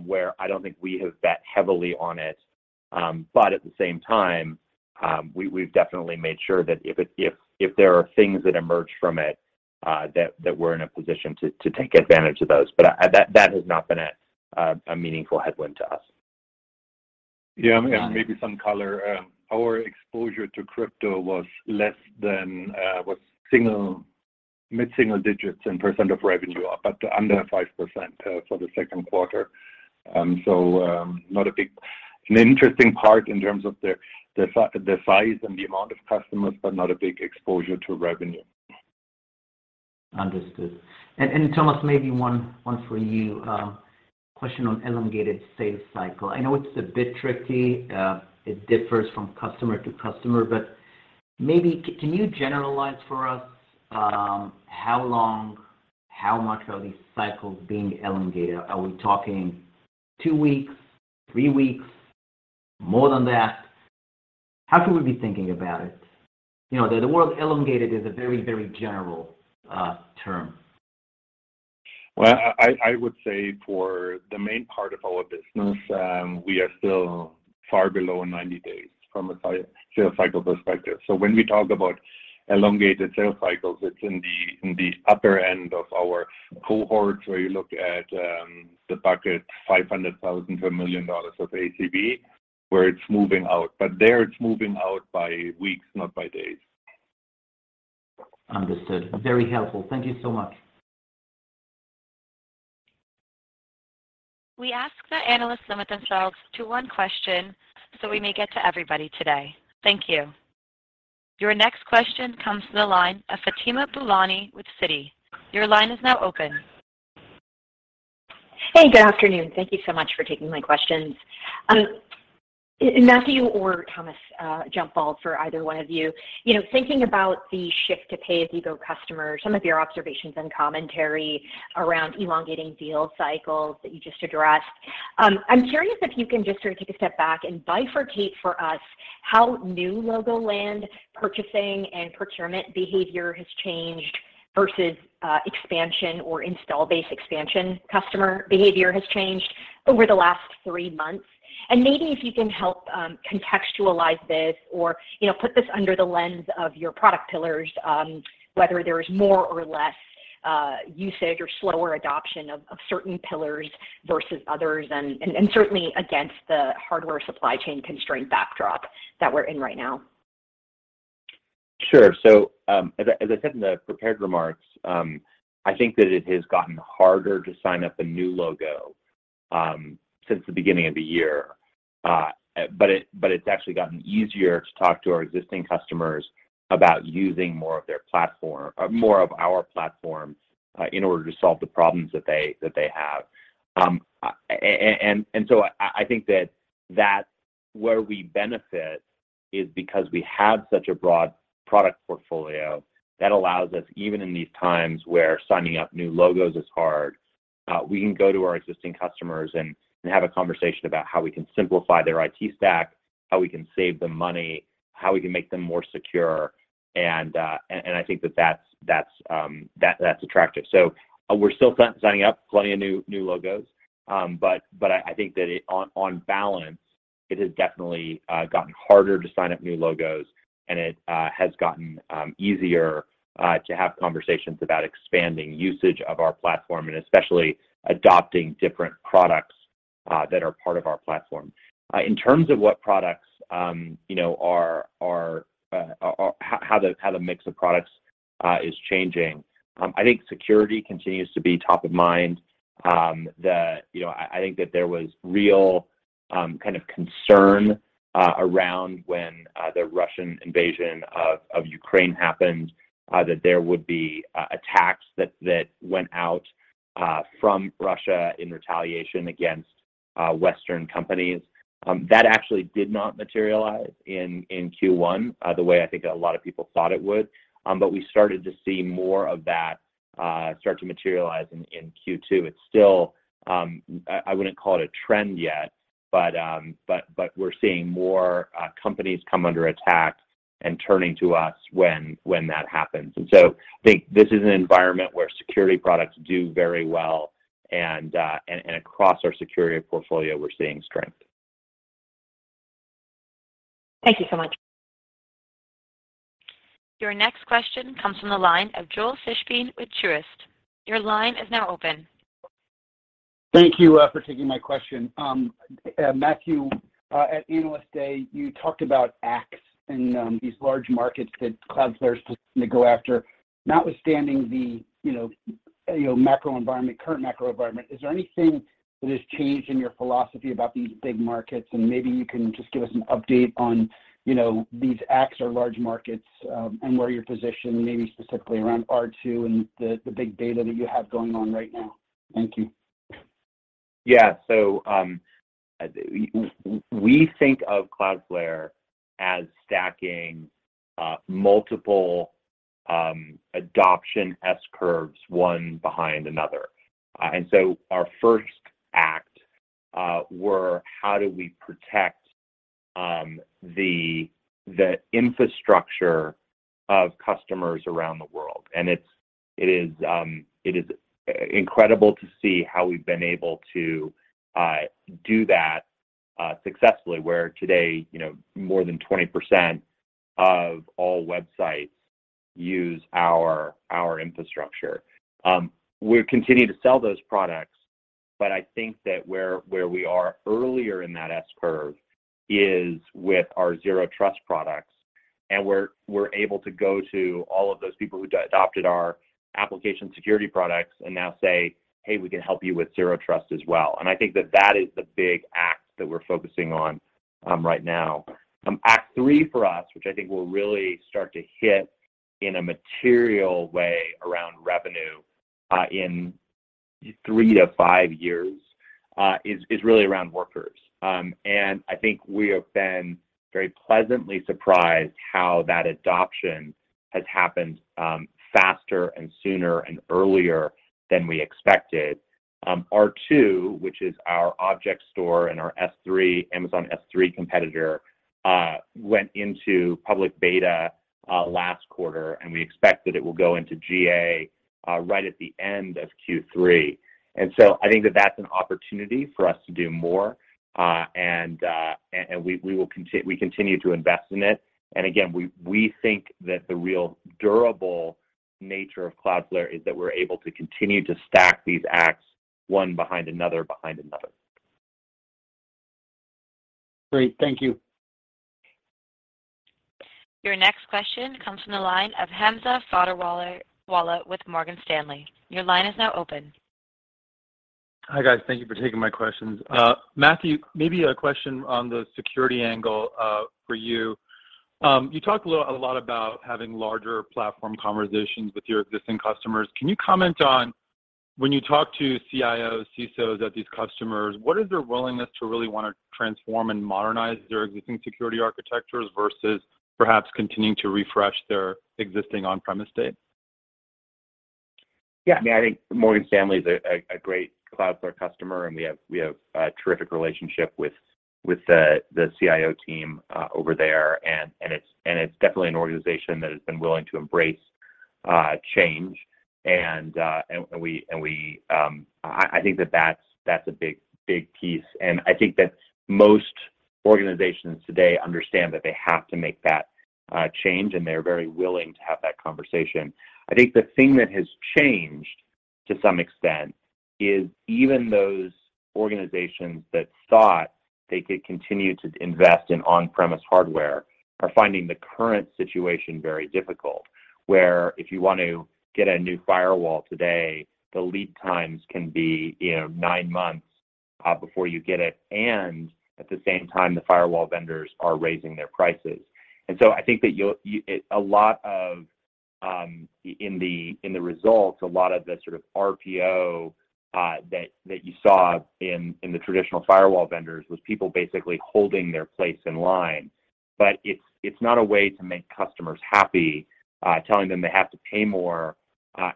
where I don't think we have bet heavily on it. At the same time, we've definitely made sure that if there are things that emerge from it, that we're in a position to take advantage of those. That has not been a meaningful headwind to us. Yeah. Got it. Maybe some color. Our exposure to crypto was less than mid-single digits and percent of revenue, but under 5% for the second quarter. Not a big, an interesting part in terms of the size and the amount of customers, but not a big exposure to revenue. Understood. Thomas, maybe one for you. Question on elongated sales cycle. I know it's a bit tricky. It differs from customer to customer, but maybe can you generalize for us, how long, how much are these cycles being elongated? Are we talking two weeks, three weeks, more than that? How can we be thinking about it? You know, the word elongated is a very, very general term. Well, I would say for the main part of our business, we are still far below 90 days from a sale cycle perspective. When we talk about elongated sale cycles, it's in the upper end of our cohorts where you look at the bucket $500,000-$1 million of ACV where it's moving out. There it's moving out by weeks, not by days. Understood. Very helpful. Thank you so much. We ask that analysts limit themselves to one question, so we may get to everybody today. Thank you. Your next question comes from the line of Fatima Boolani with Citi. Your line is now open. Hey, good afternoon. Thank you so much for taking my questions. Matthew or Thomas, jump ball for either one of you. You know, thinking about the shift to pay-as-you-go customers, some of your observations and commentary around elongating deal cycles that you just addressed, I'm curious if you can just sort of take a step back and bifurcate for us how new logo land purchasing and procurement behavior has changed versus expansion or installed base expansion customer behavior has changed over the last three months. Maybe if you can help contextualize this or, you know, put this under the lens of your product pillars, whether there's more or less usage or slower adoption of certain pillars versus others and certainly against the hardware supply chain constraint backdrop that we're in right now. Sure. As I said in the prepared remarks, I think that it has gotten harder to sign up a new logo since the beginning of the year. It's actually gotten easier to talk to our existing customers about using more of our platform in order to solve the problems that they have. I think that's where we benefit because we have such a broad product portfolio that allows us, even in these times where signing up new logos is hard, we can go to our existing customers and have a conversation about how we can simplify their IT stack, how we can save them money, how we can make them more secure, and I think that's attractive. We're still signing up plenty of new logos, but I think that on balance, it has definitely gotten harder to sign up new logos, and it has gotten easier to have conversations about expanding usage of our platform and especially adopting different products that are part of our platform. In terms of what products, you know, how the mix of products is changing, I think security continues to be top of mind. You know, I think that there was real kind of concern around when the Russian invasion of Ukraine happened, that there would be attacks that went out from Russia in retaliation against Western companies. That actually did not materialize in Q1 the way I think a lot of people thought it would, but we started to see more of that start to materialize in Q2. It's still, I wouldn't call it a trend yet, but we're seeing more companies come under attack and turning to us when that happens. So I think this is an environment where security products do very well, and across our security portfolio, we're seeing strength. Thank you so much. Your next question comes from the line of Joel Fishbein with Truist. Your line is now open. Thank you for taking my question. Matthew, at Analyst Day, you talked about ACVs in these large markets that Cloudflare's looking to go after. Notwithstanding the you know current macro environment, is there anything that has changed in your philosophy about these big markets? Maybe you can just give us an update on you know these ACVs or large markets and where you're positioned, maybe specifically around R2 and the big data that you have going on right now. Thank you. We think of Cloudflare as stacking multiple adoption S curves one behind another. Our first act were how do we protect the infrastructure of customers around the world. It is incredible to see how we've been able to do that successfully, where today more than 20% of all websites use our infrastructure. We continue to sell those products, but I think that where we are earlier in that S curve is with our zero trust products, and we're able to go to all of those people who adopted our application security products and now say, "Hey, we can help you with zero trust as well." I think that is the big act that we're focusing on right now. Act three for us, which I think will really start to hit in a material way around revenue in three to five years, is really around Workers. I think we have been very pleasantly surprised how that adoption has happened faster and sooner and earlier than we expected. R2, which is our object store and our S3, Amazon S3 competitor, went into public beta last quarter, and we expect that it will go into GA right at the end of Q3. I think that that's an opportunity for us to do more, and we will continue to invest in it. Again, we think that the real durable nature of Cloudflare is that we're able to continue to stack these acts one behind another. Great. Thank you. Your next question comes from the line of Hamza Fodderwala with Morgan Stanley. Your line is now open. Hi, guys. Thank you for taking my questions. Matthew, maybe a question on the security angle for you. You talked a lot about having larger platform conversations with your existing customers. Can you comment on when you talk to CIOs, CSOs at these customers, what is their willingness to really wanna transform and modernize their existing security architectures versus perhaps continuing to refresh their existing on-premise state? Yeah. I mean, I think Morgan Stanley is a great Cloudflare customer, and we have a terrific relationship with the CIO team over there, and it's definitely an organization that has been willing to embrace change. I think that that's a big piece. I think that most organizations today understand that they have to make that change, and they're very willing to have that conversation. I think the thing that has changed to some extent is even those organizations that thought they could continue to invest in on-premise hardware are finding the current situation very difficult. Whereas if you want to get a new firewall today, the lead times can be nine months before you get it, and at the same time, the firewall vendors are raising their prices. I think that you'll see a lot of the sort of RPO in the results that you saw in the traditional firewall vendors was people basically holding their place in line. It's not a way to make customers happy, telling them they have to pay more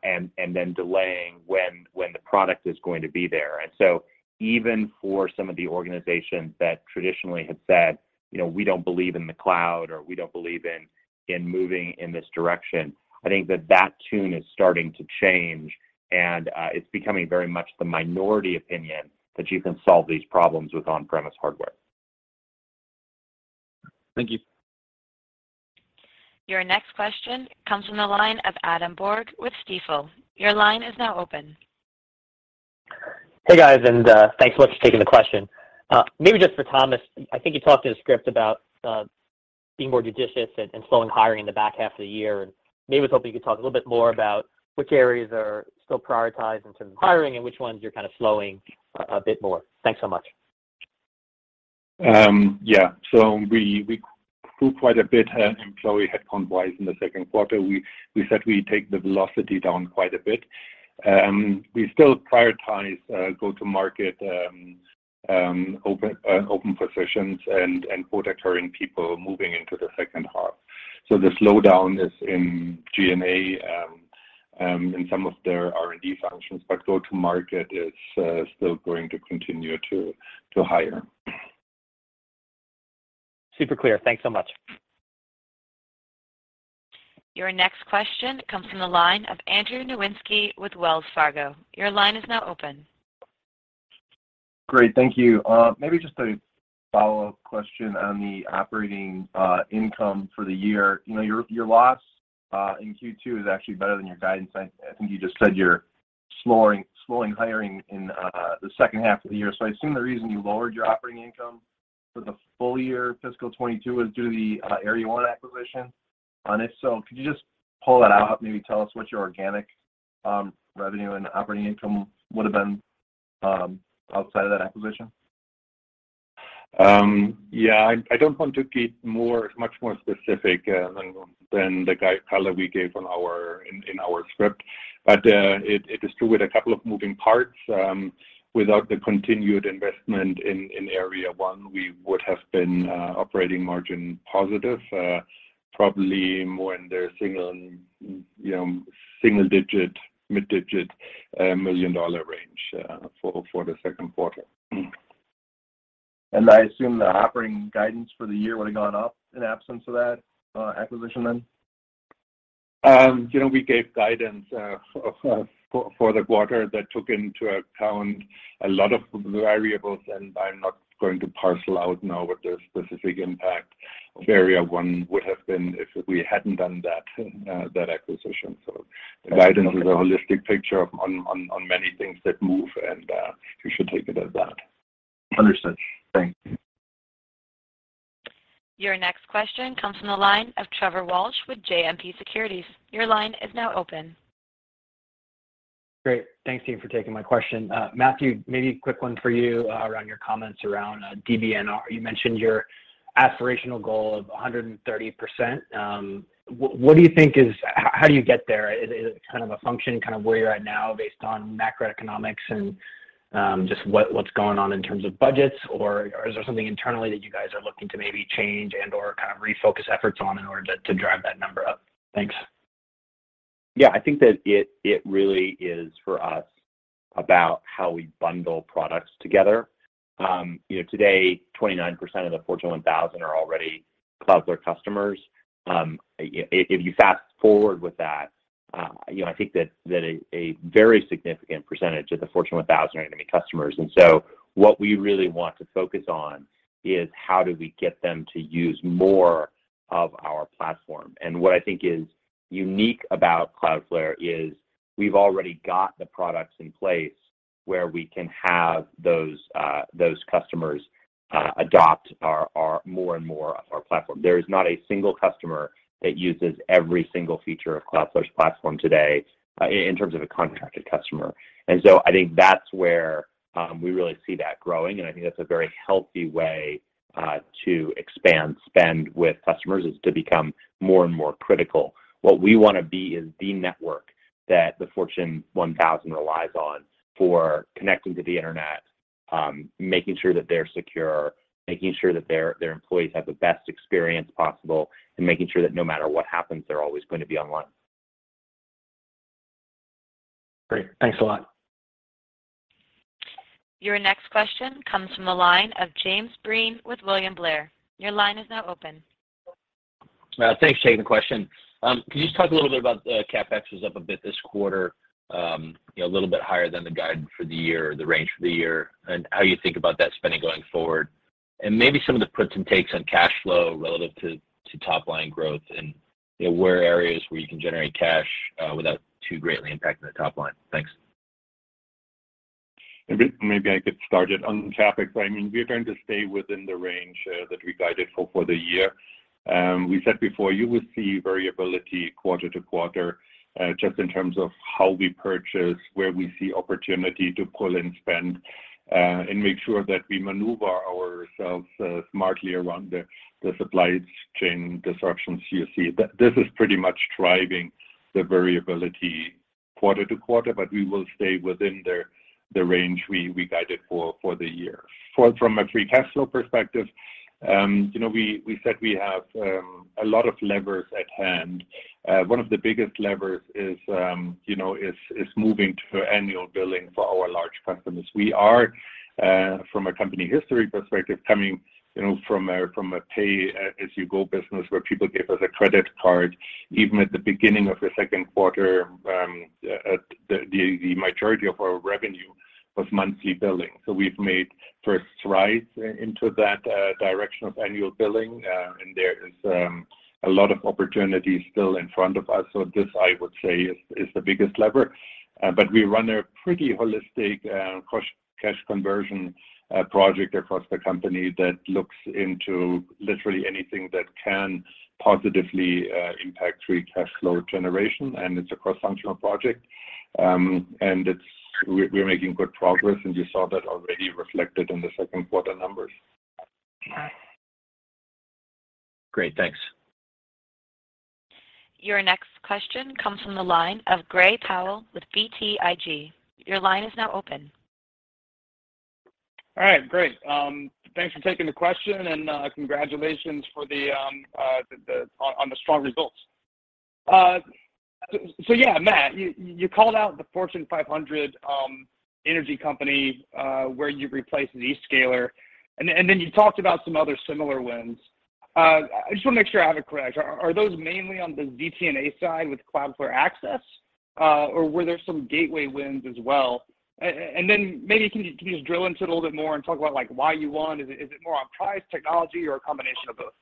and then delaying when the product is going to be there and so even for some of the organizations that traditionally had said, you know, "We don't believe in the cloud," or, "We don't believe in moving in this direction," I think that tune is starting to change, and it's becoming very much the minority opinion that you can solve these problems with on-premise hardware. Thank you. Your next question comes from the line of Adam Borg with Stifel. Your line is now open. Hey, guys, and thanks so much for taking the question. Maybe just for Thomas, I think you talked in the script about being more judicious and slowing hiring in the back half of the year. Maybe I was hoping you could talk a little bit more about which areas are still prioritized in terms of hiring and which ones you're kinda slowing a bit more. Thanks so much. Yeah. We grew quite a bit employee headcount-wise in the second quarter. We said we'd take the velocity down quite a bit. We still prioritize go-to-market open positions and product hiring people moving into the second half. The slowdown is in G&A in some of their R&D functions, but go-to-market is still going to continue to hire. Super clear. Thanks so much. Your next question comes from the line of Andrew Nowinski with Wells Fargo. Your line is now open. Great. Thank you. Maybe just a follow-up question on the operating income for the year. You know, your loss in Q2 is actually better than your guidance line. I think you just said you're slowing hiring in the second half of the year. I assume the reason you lowered your operating income for the full year fiscal 2022 was due to the Area 1 acquisition. If so, could you just pull that out, maybe tell us what your organic revenue and operating income would've been outside of that acquisition? Yeah. I don't want to get much more specific than the guidance we gave in our script. It is true with a couple of moving parts. Without the continued investment in Area 1, we would have been operating margin positive, probably more in the single, you know, single digit, mid digit million-dollar range for the second quarter. I assume the operating guidance for the year would've gone up in absence of that acquisition then? You know, we gave guidance for the quarter that took into account a lot of the variables, and I'm not going to parcel out now what the specific impact of Area 1 would have been if we hadn't done that acquisition. Okay. Providing a holistic picture on many things that move and you should take it as that. Understood. Thank you. Your next question comes from the line of Trevor Walsh with JMP Securities. Your line is now open. Great. Thanks, team, for taking my question. Matthew, maybe a quick one for you, around your comments around DBNR. You mentioned your aspirational goal of 100%. What do you think is. How do you get there? Is it kind of a function of where you're at now based on macroeconomics and just what's going on in terms of budgets? Or is there something internally that you guys are looking to maybe change and/or refocus efforts on in order to drive that number up? Thanks. Yeah, I think that it really is for us about how we bundle products together. You know, today, 29% of the Fortune 1000 are already Cloudflare customers. If you fast-forward with that, you know, I think that a very significant percentage of the Fortune 1000 are gonna be customers. What we really want to focus on is how do we get them to use more of our platform? What I think is unique about Cloudflare is we've already got the products in place where we can have those customers adopt more and more of our platform. There is not a single customer that uses every single feature of Cloudflare's platform today, in terms of a contracted customer. I think that's where we really see that growing, and I think that's a very healthy way to expand spend with customers, is to become more and more critical. What we wanna be is the network that the Fortune 1000 relies on for connecting to the internet, making sure that they're secure, making sure that their employees have the best experience possible, and making sure that no matter what happens, they're always going to be online. Great. Thanks a lot. Your next question comes from the line of James Breen with William Blair. Your line is now open. Thanks for taking the question. Could you just talk a little bit about CapEx was up a bit this quarter, you know, a little bit higher than the guide for the year or the range for the year, and how you think about that spending going forward? Maybe some of the puts and takes on cash flow relative to top line growth and, you know, where are areas where you can generate cash, without too greatly impacting the top line. Thanks. Maybe I get started on CapEx. I mean, we're going to stay within the range that we guided for the year. We said before, you will see variability quarter to quarter, just in terms of how we purchase, where we see opportunity to pull and spend, and make sure that we maneuver ourselves smartly around the supply chain disruptions you see. This is pretty much driving the variability quarter to quarter, but we will stay within the range we guided for the year. From a free cash flow perspective, you know, we said we have a lot of levers at hand. One of the biggest levers is, you know, moving to annual billing for our large customers. We are from a company history perspective, coming, you know, from a pay-as-you-go business where people gave us a credit card. Even at the beginning of the second quarter, the majority of our revenue was monthly billing. We've made first strides into that direction of annual billing. There is a lot of opportunity still in front of us. This, I would say, is the biggest lever. We run a pretty holistic cash conversion project across the company that looks into literally anything that can positively impact free cash flow generation, and it's a cross-functional project. We're making good progress, and you saw that already reflected in the second quarter numbers. Great. Thanks. Your next question comes from the line of Gray Powell with BTIG. Your line is now open. All right. Great. Thanks for taking the question and congratulations on the strong results. Yeah, Matt, you called out the Fortune 500 energy company where you replaced Zscaler, and then you talked about some other similar wins. I just wanna make sure I have it correct. Are those mainly on the ZTNA side with Cloudflare Access? Or were there some gateway wins as well? And then maybe can you just drill into it a little bit more and talk about like why you won? Is it more on price, technology or a combination of both?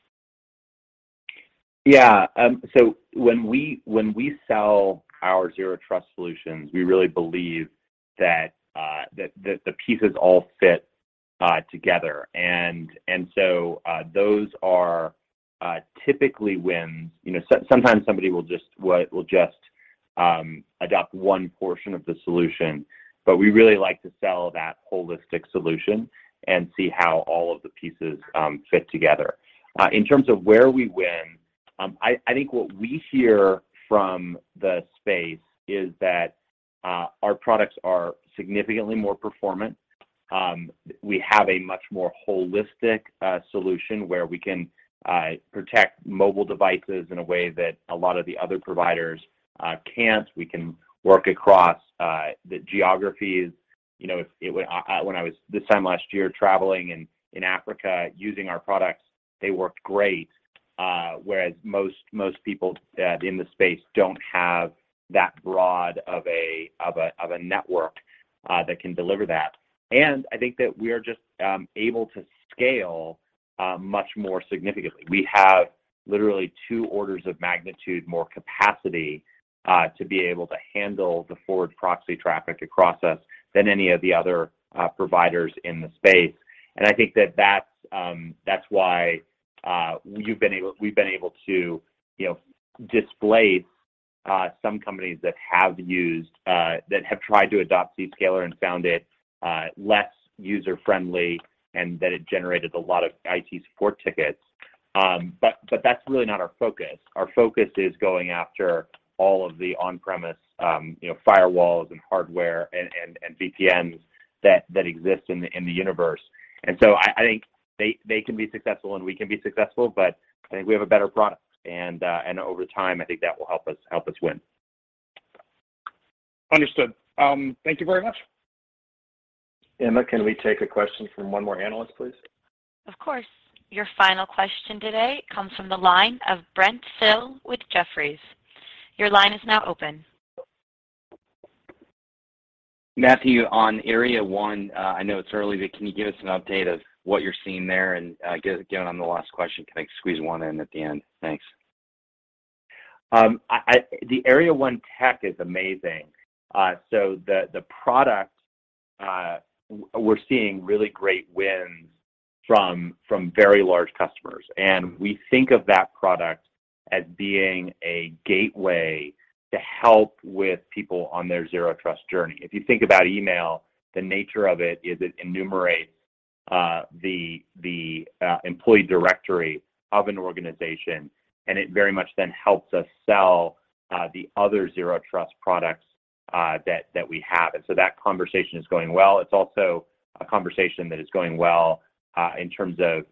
When we sell our zero trust solutions, we really believe that the pieces all fit together. Those are typically wins. You know, sometimes somebody will just adopt one portion of the solution. We really like to sell that holistic solution and see how all of the pieces fit together. In terms of where we win, I think what we hear from the space is that our products are significantly more performant. We have a much more holistic solution where we can protect mobile devices in a way that a lot of the other providers can't. We can work across the geographies. You know, when I was this time last year traveling in Africa using our products, they worked great, whereas most people in the space don't have that broad of a network that can deliver that. I think that we are just able to scale much more significantly. We have literally two orders of magnitude more capacity to be able to handle the forward proxy traffic across the U.S. than any of the other providers in the space. I think that that's why we've been able to, you know, displace some companies that have tried to adopt Zscaler and found it less user-friendly and that it generated a lot of IT support tickets. But that's really not our focus. Our focus is going after all of the on-premise firewalls and hardware and VPNs. That exists in the universe. I think they can be successful and we can be successful, but I think we have a better product. Over time, I think that will help us win. Understood. Thank you very much. Emma, can we take a question from one more analyst, please? Of course. Your final question today comes from the line of Brent Thill with Jefferies. Your line is now open. Matthew, on Area 1, I know it's early, but can you give us an update of what you're seeing there? Again, on the last question, can I squeeze one in at the end? Thanks. The Area 1 tech is amazing. The product we're seeing really great wins from very large customers, and we think of that product as being a gateway to help with people on their Zero Trust journey. If you think about email, the nature of it is it enumerates the employee directory of an organization, and it very much then helps us sell the other Zero Trust products that we have. That conversation is going well. It's also a conversation that is going well in terms of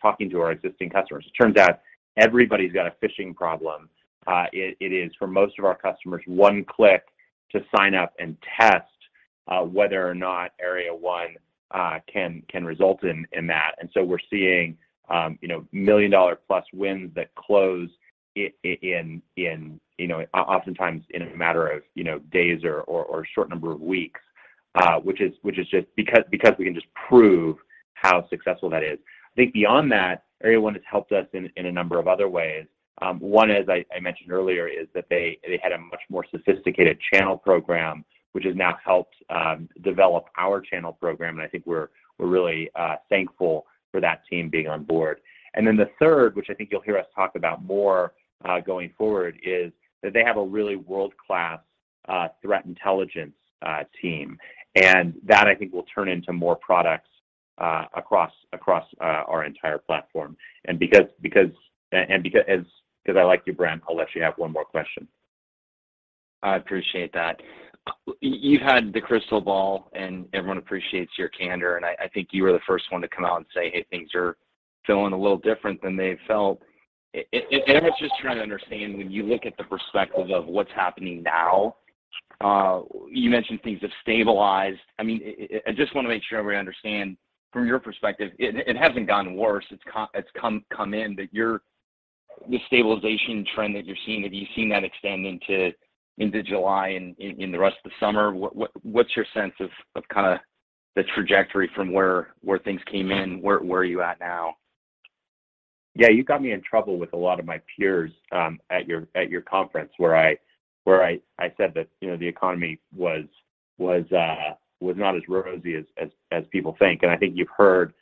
talking to our existing customers. It turns out everybody's got a phishing problem. It is for most of our customers, one click to sign up and test whether or not Area 1 can result in that. We're seeing, you know, million-dollar-plus wins that close in, you know, oftentimes in a matter of, you know, days or short number of weeks, which is just because we can just prove how successful that is. I think beyond that, Area 1 has helped us in a number of other ways. One, as I mentioned earlier, is that they had a much more sophisticated channel program, which has now helped develop our channel program, and I think we're really thankful for that team being on board. The third, which I think you'll hear us talk about more going forward, is that they have a really world-class threat intelligence team. That, I think, will turn into more products across our entire platform. Because I like you, Brent, I'll let you have one more question. I appreciate that. You've had the crystal ball, and everyone appreciates your candor, and I think you were the first one to come out and say, "Hey, things are feeling a little different than they felt." I was just trying to understand, when you look at the perspective of what's happening now, you mentioned things have stabilized. I mean, I just wanna make sure we understand from your perspective, it hasn't gotten worse. It's come in, but you're... The stabilization trend that you're seeing, have you seen that extend into July and in the rest of the summer? What's your sense of kinda the trajectory from where things came in, where are you at now? Yeah. You got me in trouble with a lot of my peers at your conference where I said that, you know, the economy was not as rosy as people think, and I think you've heard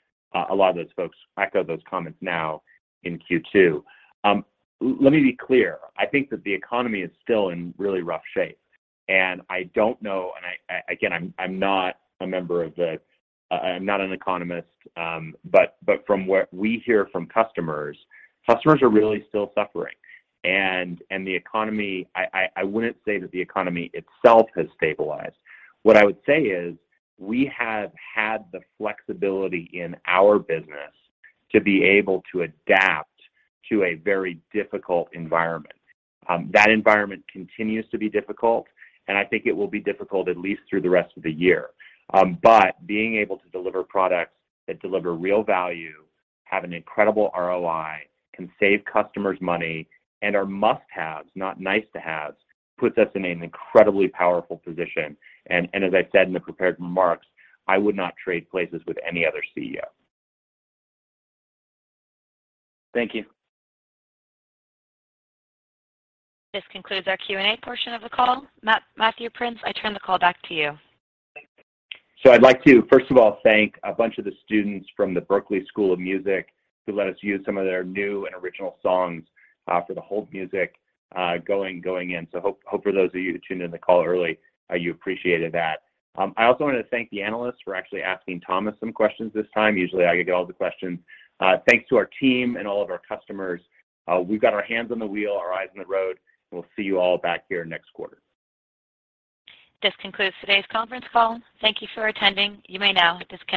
a lot of those folks echo those comments now in Q2. Let me be clear, I think that the economy is still in really rough shape, and I don't know, again, I'm not an economist. From what we hear from customers are really still suffering. The economy, I wouldn't say that the economy itself has stabilized. What I would say is we have had the flexibility in our business to be able to adapt to a very difficult environment. That environment continues to be difficult, and I think it will be difficult at least through the rest of the year. Being able to deliver products that deliver real value, have an incredible ROI, can save customers money and are must-haves, not nice to haves, puts us in an incredibly powerful position. As I said in the prepared remarks, I would not trade places with any other CEO. Thank you. This concludes our Q&A portion of the call. Matthew Prince, I turn the call back to you. I'd like to first of all thank a bunch of the students from the Berklee College of Music who let us use some of their new and original songs for the hold music going in. Hope for those of you who tuned into the call early, you appreciated that. I also wanted to thank the analysts for actually asking Thomas some questions this time. Usually, I get all the questions. Thanks to our team and all of our customers. We've got our hands on the wheel, our eyes on the road, and we'll see you all back here next quarter. This concludes today's conference call. Thank you for attending. You may now disconnect.